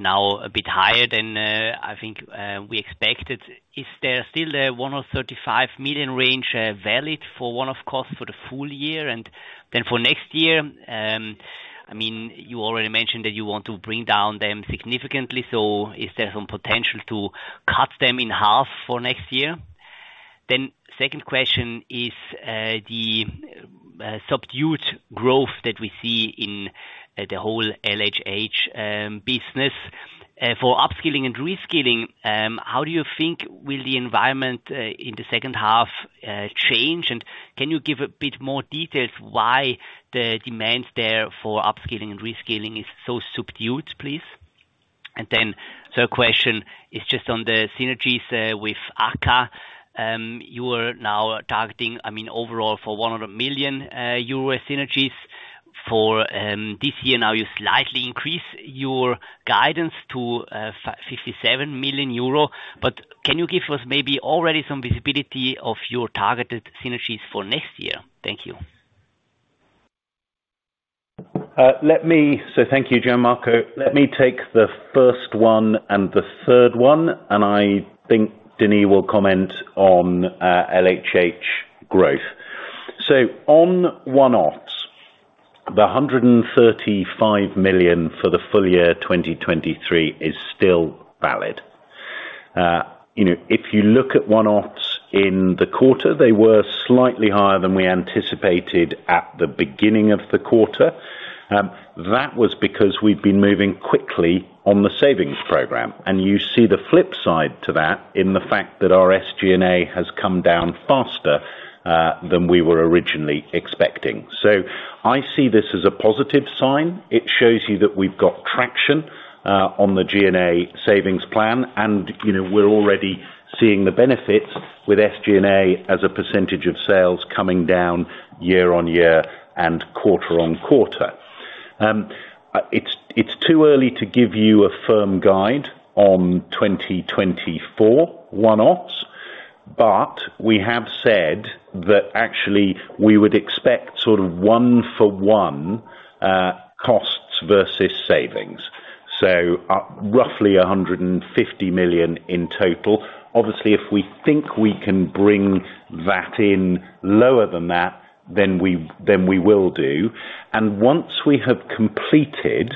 now a bit higher than, I think, we expected. Is there still a 1 or 35 million range valid for one-off costs for the full year? For next year, I mean, you already mentioned that you want to bring down them significantly, so is there some potential to cut them in half for next year? Second question is, the subdued growth that we see in the whole LHH business. For upskilling and reskilling, how do you think will the environment in the second half change? Can you give a bit more details why the demands there for upskilling and reskilling is so subdued, please? Third question is just on the synergies with AKKA. You are now targeting, I mean, overall, for $100 million synergies. For this year now, you slightly increase your guidance to 57 million euro, but can you give us maybe already some visibility of your targeted synergies for next year? Thank you. Let me-- Thank you, Gian Marco. Let me take the first one and the third one, and I think Denis will comment on LHH growth. On one-offs, the 135 million for the full year 2023 is still valid. That was because we'd been moving quickly on the savings program, and you see the flip side to that in the fact that our SG&A has come down faster than we were originally expecting. I see this as a positive sign. It shows you that we've got traction on the G&A savings plan, and, you know, we're already seeing the benefits with SG&A as a percentage of sales coming down year-on-year and quarter-on-quarter. It's, it's too early to give you a firm guide on 2024 one-offs, but we have said that actually we would expect sort of one-for-one costs versus savings, so roughly 150 million in total. Obviously, if we think we can bring that in lower than that, then we, then we will do. Once we have completed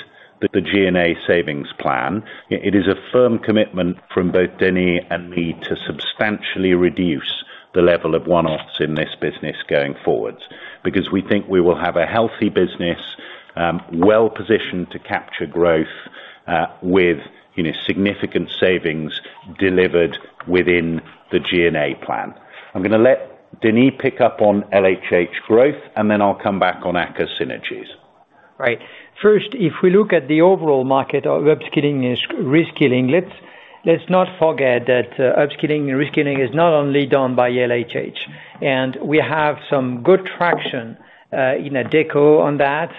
the G&A savings plan, it is a firm commitment from both Denis and me to substantially reduce the level of one-offs in this business going forwards. We think we will have a healthy business, well-positioned to capture growth, with, you know, significant savings delivered within the G&A plan. I'm gonna let Denis pick up on LHH growth, and then I'll come back on AKKA synergies. Right. First, if we look at the overall market of upskilling and reskilling, Let's not forget that upskilling and reskilling is not only done by LHH. We have some good traction in Adecco on that.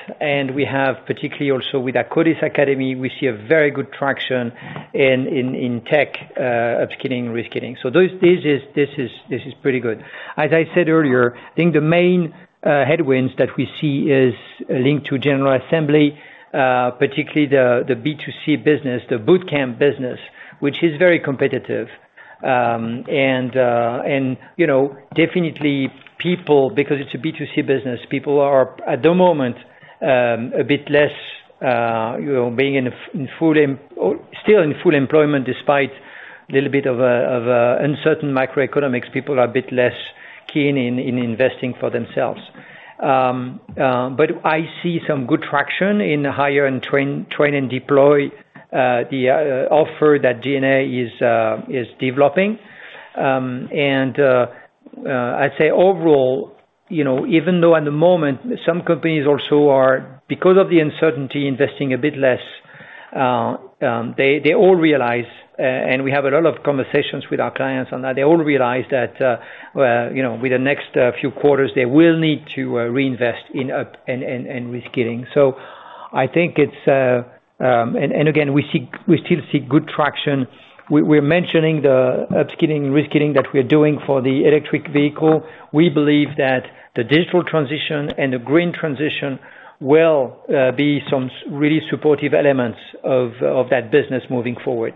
We have particularly also with Akkodis Academy, we see a very good traction in tech upskilling, reskilling. Those, this is, this is, this is pretty good. As I said earlier, I think the main headwinds that we see is linked to General Assembly, particularly the B2C business, the boot camp business, which is very competitive. You know, definitely people, because it's a B2C business, people are at the moment, a bit less, you know, being still in full employment, despite a little bit of a, of a uncertain microeconomics, people are a bit less keen in, in investing for themselves. I see some good traction in the hire and train, train and deploy, the offer that GNA is developing. I'd say overall, you know, even though at the moment, some companies also are, because of the uncertainty, investing a bit less, they all realize, and we have a lot of conversations with our clients on that, they all realize that, you know, with the next few quarters, they will need to reinvest in up and, and, and reskilling. I think it's. Again, we still see good traction. We, we're mentioning the upskilling, reskilling that we're doing for the electric vehicle. We believe that the digital transition and the green transition will be some really supportive elements of that business moving forward.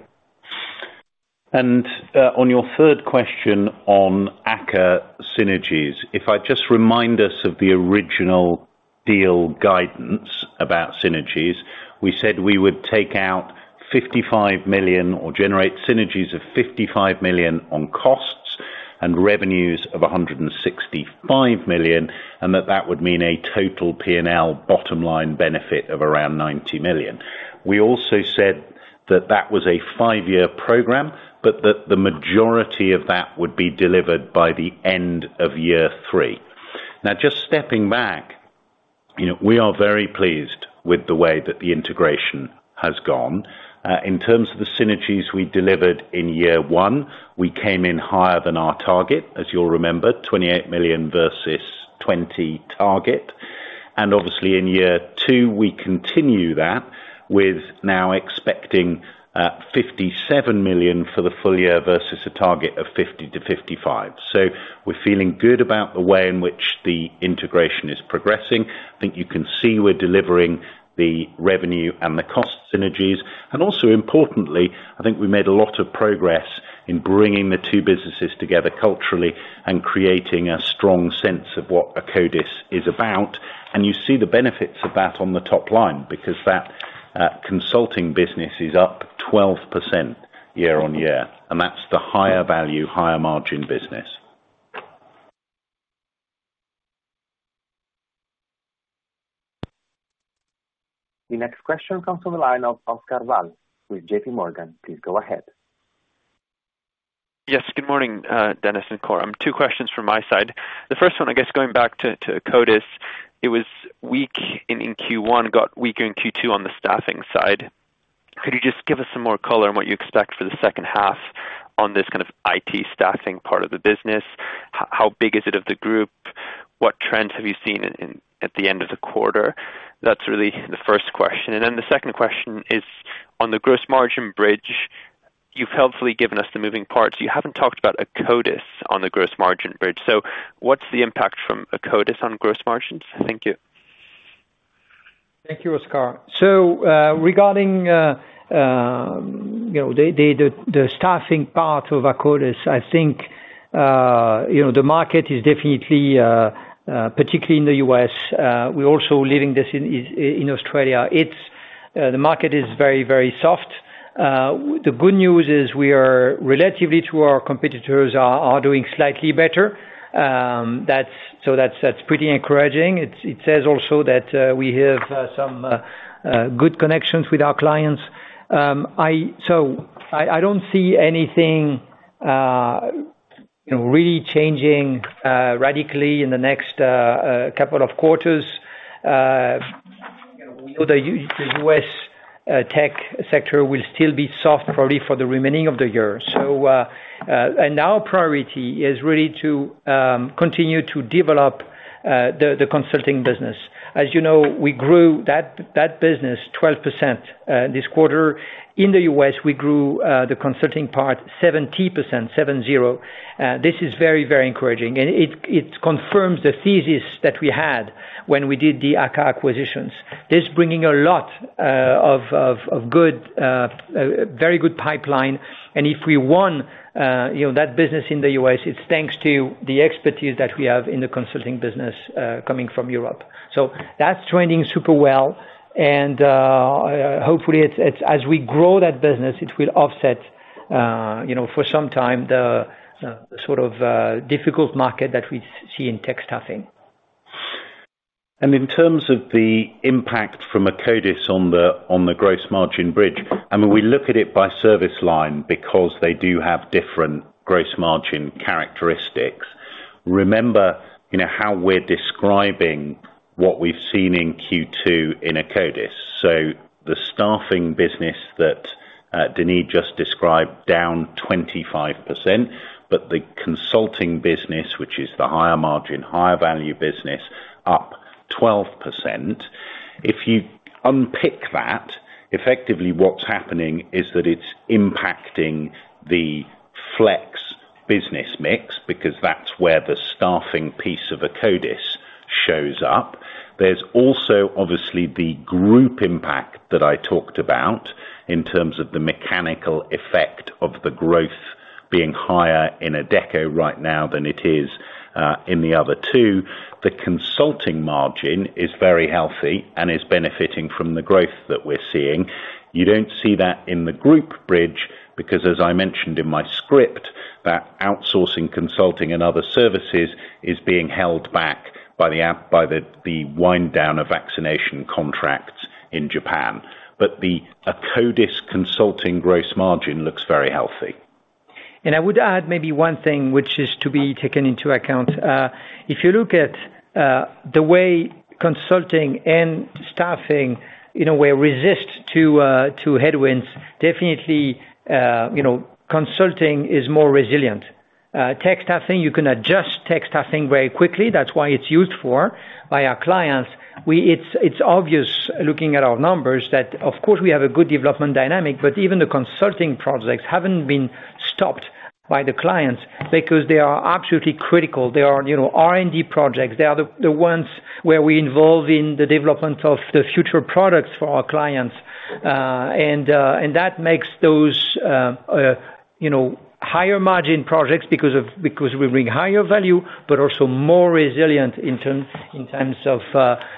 On your third question on AKKA synergies, if I just remind us of the original deal guidance about synergies, we said we would take out 55 million or generate synergies of 55 million on costs and revenues of 165 million, and that that would mean a total P&L bottom line benefit of around 90 million. We also said that that was a five-year program, but that the majority of that would be delivered by the end of year three. Just stepping back, you know, we are very pleased with the way that the integration has gone. In terms of the synergies we delivered in year one, we came in higher than our target, as you'll remember, 28 million versus 20 million target. Obviously, in year two, we continue that, with now expecting 57 million for the full year versus a target of 50 million-55 million. We're feeling good about the way in which the integration is progressing. I think you can see we're delivering the revenue and the cost synergies. Also importantly, I think we made a lot of progress in bringing the two businesses together culturally and creating a strong sense of what Akkodis is about. You see the benefits of that on the top line, because that consulting business is up 12% year on year, and that's the higher value, higher margin business. The next question comes from the line of Oscar Val with JPMorgan. Please go ahead. Yes, good morning, Denis and Coram. Two questions from my side. The first one, I guess, going back to, to Akkodis, it was weak in, in Q1, got weaker in Q2 on the staffing side. Could you just give us some more color on what you expect for the second half on this kind of IT staffing part of the business? How big is it of the group? What trends have you seen in, at the end of the quarter? That's really the first question. Then the second question is, on the gross margin bridge, you've helpfully given us the moving parts. You haven't talked about Akkodis on the gross margin bridge. What's the impact from Akkodis on gross margins? Thank you. Thank you, Oscar. Regarding, you know, the staffing part of Akkodis, I think, you know, the market is definitely, particularly in the U.S., we're also living this in Australia. It's the market is very, very soft. The good news is we are, relatively to our competitors, are, are doing slightly better. So that's, that's pretty encouraging. It, it says also that we have some good connections with our clients. So I, I don't see anything, you know, really changing radically in the next couple of quarters. We know the U.S. tech sector will still be soft, probably for the remaining of the year. Our priority is really to continue to develop the consulting business. As you know, we grew that, that business 12% this quarter. In the U.S., we grew the consulting part 70%. This is very, very encouraging, and it, it confirms the thesis that we had when we did the AKKA acquisitions. It's bringing a lot of good, very good pipeline. If we won, you know, that business in the U.S., it's thanks to the expertise that we have in the consulting business coming from Europe. That's trending super well, and hopefully, as we grow that business, it will offset, you know, for some time, the sort of difficult market that we see in tech staffing. In terms of the impact from Akkodis on the gross margin bridge, I mean, we look at it by service line because they do have different gross margin characteristics. Remember, you know, how we're describing what we've seen in Q2 in Akkodis. The staffing business that Denis just described, down 25%, but the consulting business, which is the higher margin, higher value business, up 12%. If you unpick that, effectively what's happening is that it's impacting the flex business mix, because that's where the staffing piece of Akkodis shows up. There's also, obviously, the group impact that I talked about in terms of the mechanical effect of the growth being higher in Adecco right now than it is in the other two. The consulting margin is very healthy and is benefiting from the growth that we're seeing. You don't see that in the group bridge, because as I mentioned in my script, that outsourcing, consulting and other services is being held back by the by the wind down of vaccination contracts in Japan. The Akkodis consulting gross margin looks very healthy. I would add maybe one thing which is to be taken into account. If you look at the way consulting and staffing, in a way, resist to headwinds, definitely, you know, consulting is more resilient. Tech staffing, you can adjust tech staffing very quickly, that's why it's used for by our clients. It's, it's obvious, looking at our numbers, that, of course, we have a good development dynamic, but even the consulting projects haven't been stopped by the clients because they are absolutely critical. They are, you know, R&D projects. They are the ones where we involve in the development of the future products for our clients. That makes those, you know, higher margin projects because because we bring higher value, but also more resilient in terms of,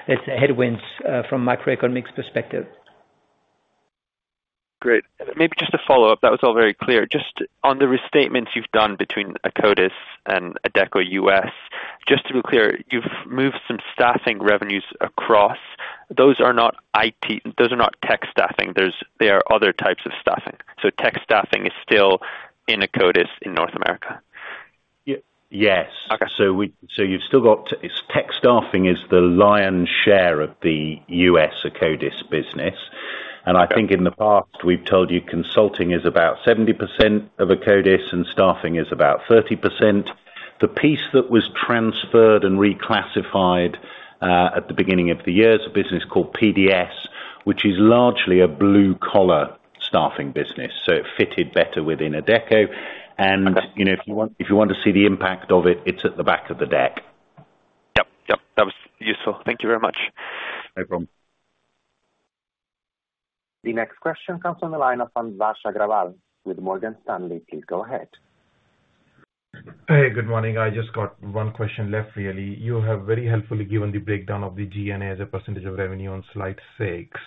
let's say, headwinds, from macroeconomic perspective. Great. Maybe just a follow-up, that was all very clear. Just on the restatements you've done between Akkodis and Adecco US, just to be clear, you've moved some staffing revenues across. Those are not IT. Those are not tech staffing, they are other types of staffing. So tech staffing is still in Akkodis in North America? Yes. Okay. It's tech staffing is the lion's share of the U.S. Akkodis business. Okay. I think in the past, we've told you, consulting is about 70% of Akkodis and staffing is about 30%. The piece that was transferred and reclassified, at the beginning of the year, is a business called PDS, which is largely a blue collar staffing business, so it fitted better within Adecco. Okay. You know, if you want, if you want to see the impact of it, it's at the back of the deck. Yep, yep. That was useful. Thank you very much. No problem. The next question comes from the line of Anvesh Agarwal with Morgan Stanley. Please go ahead. Hey, good morning. I just got one question left really. You have very helpfully given the breakdown of the G&A as a % of revenue on Slide 6. Now,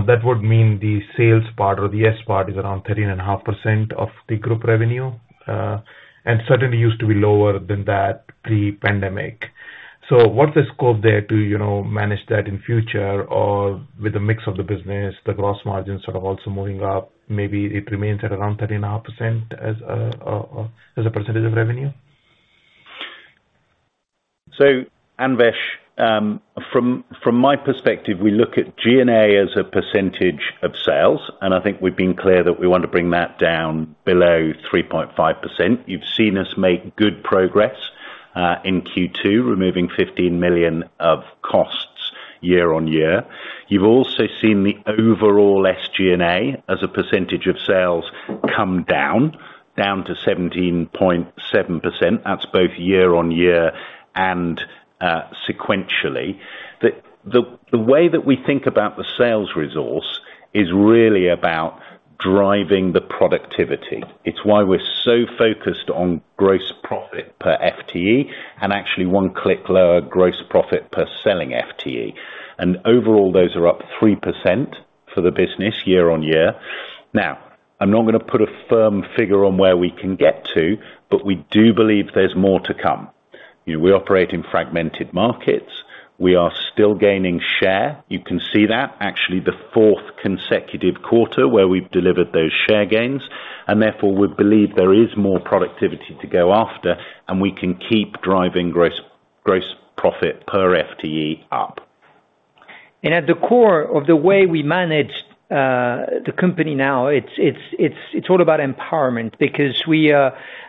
that would mean the sales part or the S part, is around 13.5% of the group revenue, and certainly used to be lower than that pre-pandemic. What's the scope there to, you know, manage that in future, or with the mix of the business, the gross margins are also moving up? Maybe it remains at around 13.5% as a % of revenue? Anvesh, from my perspective, we look at G&A as a percentage of sales, and I think we've been clear that we want to bring that down below 3.5%. You've seen us make good progress in Q2, removing 15 million of costs year-on-year. You've also seen the overall SG&A, as a percentage of sales, come down, down to 17.7%. That's both year-on-year and sequentially. The way that we think about the sales resource is really about driving the productivity. It's why we're so focused on gross profit per FTE, and actually one click lower gross profit per selling FTE. Overall, those are up 3% for the business year-on-year. I'm not going to put a firm figure on where we can get to, but we do believe there's more to come. You know, we operate in fragmented markets. We are still gaining share. You can see that, actually, the fourth consecutive quarter where we've delivered those share gains, and therefore, we believe there is more productivity to go after, and we can keep driving gross, gross profit per FTE up. At the core of the way we manage, the company now, it's, it's, it's, it's all about empowerment, because we...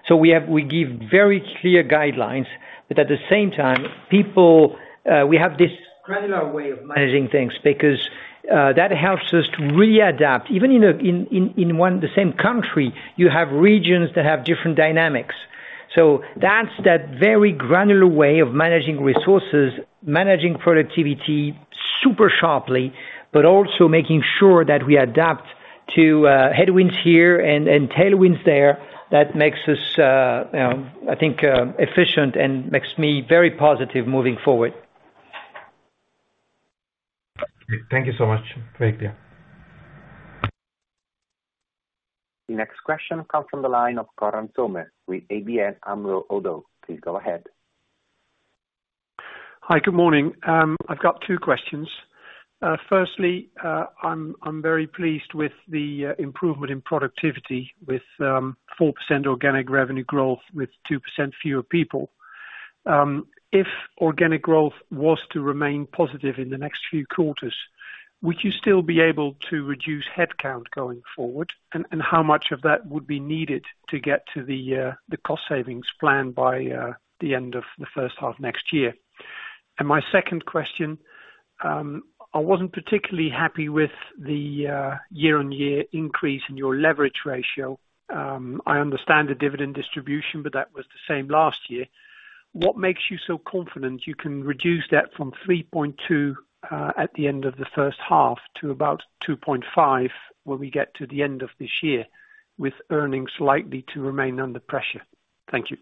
We give very clear guidelines, but at the same time, people, we have this granular way of managing things, because, that helps us to readapt. Even in a, in, in, in one, the same country, you have regions that have different dynamics. That's that very granular way of managing resources, managing productivity super sharply, but also making sure that we adapt to, headwinds here and, and tailwinds there, that makes us, you know, I think, efficient and makes me very positive moving forward. Thank you so much. Great deal. The next question comes from the line of Konrad Zomer with ABN AMRO ODDO. Please go ahead. Hi, good morning. I've got two questions. Firstly, I'm very pleased with the improvement in productivity with 4% organic revenue growth with 2% fewer people. If organic growth was to remain positive in the next few quarters, would you still be able to reduce headcount going forward? How much of that would be needed to get to the cost savings plan by the end of the first half next year? My second question, I wasn't particularly happy with the year-on-year increase in your leverage ratio. I understand the dividend distribution, but that was the same last year. What makes you so confident you can reduce that from 3.2 at the end of the first half to about 2.5 when we get to the end of this year, with earnings likely to remain under pressure? Thank you.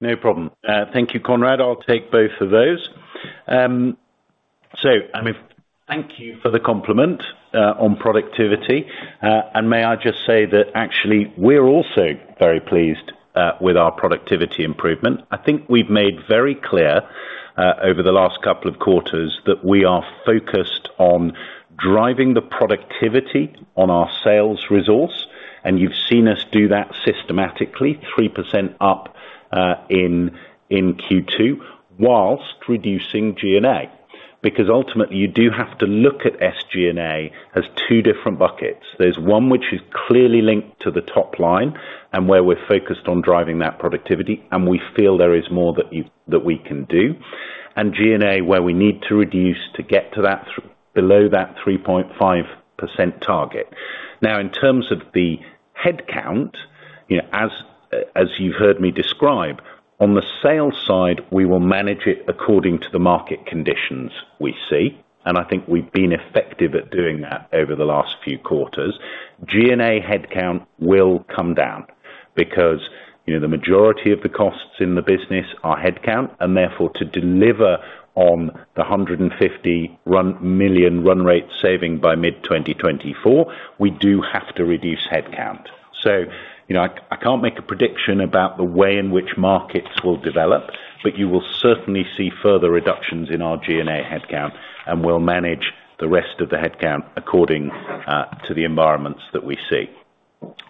No problem. Thank you, Conrad. I'll take both of those. Thank you for the compliment on productivity. May I just say that actually, we're also very pleased with our productivity improvement. I think we've made very clear over the last couple of quarters that we are focused on driving the productivity on our sales resource, and you've seen us do that systematically, 3% up in Q2 whilst reducing G&A. Ultimately, you do have to look at SG&A as two different buckets. There's one which is clearly linked to the top line, and where we're focused on driving that productivity, and we feel there is more that we can do. G&A, where we need to reduce to get to that below that 3.5% target. In terms of the headcount, you know, as, as you've heard me describe, on the sales side, we will manage it according to the market conditions we see, and I think we've been effective at doing that over the last few quarters. G&A headcount will come down because, you know, the majority of the costs in the business are headcount, and therefore, to deliver on the €150 million run rate saving by mid-2024, we do have to reduce headcount. You know, I, I can't make a prediction about the way in which markets will develop, but you will certainly see further reductions in our G&A headcount, and we'll manage the rest of the headcount according to the environments that we see.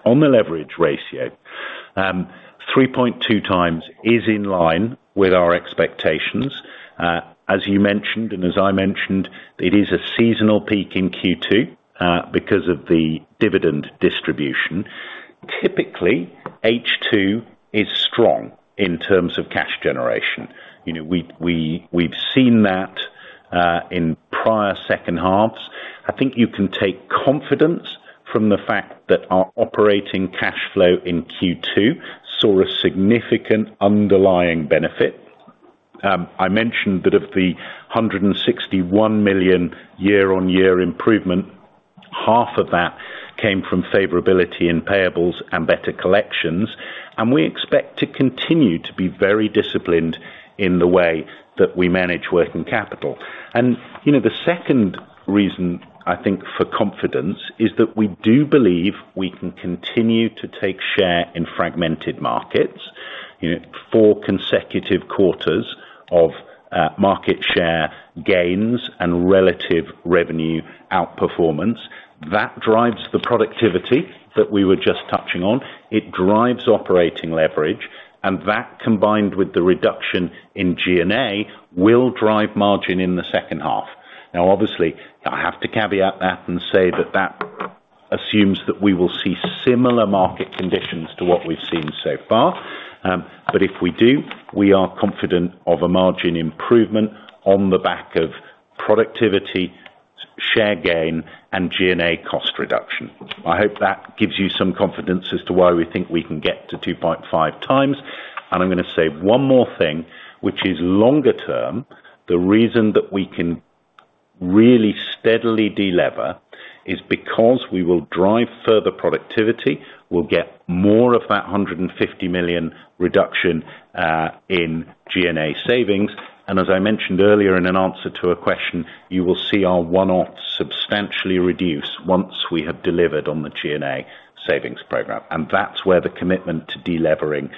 On the leverage ratio, 3.2x is in line with our expectations. As you mentioned, and as I mentioned, it is a seasonal peak in Q2 because of the dividend distribution. Typically, H2 is strong in terms of cash generation. You know, we, we, we've seen that in prior second halves. I think you can take confidence from the fact that our operating cash flow in Q2 saw a significant underlying benefit. I mentioned that of the 161 million year-on-year improvement, half of that came from favorability in payables and better collections, and we expect to continue to be very disciplined in the way that we manage working capital. You know, the second reason, I think, for confidence is that we do believe we can continue to take share in fragmented markets. You know, four consecutive quarters of market share gains and relative revenue outperformance, that drives the productivity that we were just touching on. It drives operating leverage, that, combined with the reduction in G&A, will drive margin in the second half. Now, obviously, I have to caveat that and say that that assumes that we will see similar market conditions to what we've seen so far, if we do, we are confident of a margin improvement on the back of productivity, share gain, and G&A cost reduction. I hope that gives you some confidence as to why we think we can get to 2.5x. I'm gonna say one more thing, which is longer term, the reason that we can really steadily de-lever is because we will drive further productivity. We'll get more of that €150 million reduction in G&A savings. As I mentioned earlier in an answer to a question, you will see our one-off substantially reduced once we have delivered on the G&A savings program, and that's where the commitment to de-levering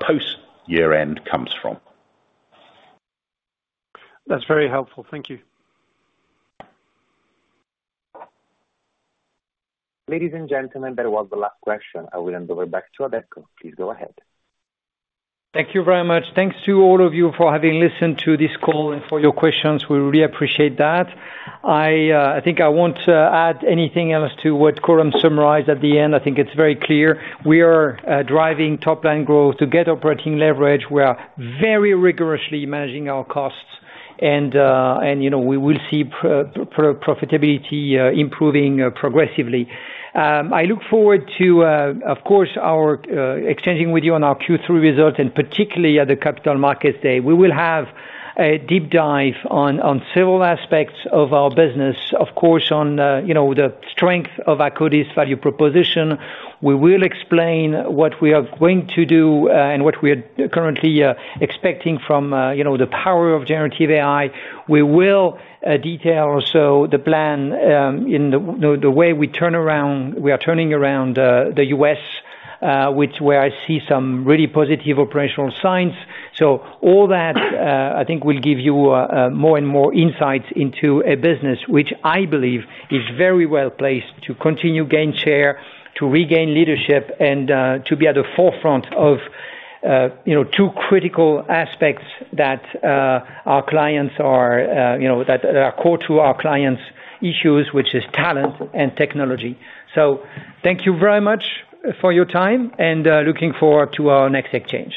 post-year-end comes from. That's very helpful. Thank you. Ladies and gentlemen, that was the last question. I will hand over back to Adecco. Please go ahead. Thank you very much. Thanks to all of you for having listened to this call and for your questions. We really appreciate that. I think I won't add anything else to what Coram summarized at the end. I think it's very clear. We are driving top line growth to get operating leverage. We are very rigorously managing our costs and you know, we will see profitability improving progressively. I look forward to, of course, our exchanging with you on our Q3 results, and particularly at the Capital Markets Day. We will have a deep dive on, on several aspects of our business, of course, on, you know, the strength of Akkodis value proposition. We will explain what we are going to do, and what we are currently expecting from, you know, the power of generative AI. We will detail also the plan, in the way we turn around-- we are turning around the U.S., which is where I see some really positive operational signs. All that, I think will give you more and more insights into a business, which I believe is very well placed to continue gain share, to regain leadership, and to be at the forefront of, you know, two critical aspects that our clients are, you know, that are core to our clients' issues, which is talent and technology. Thank you very much for your time, and looking forward to our next exchange.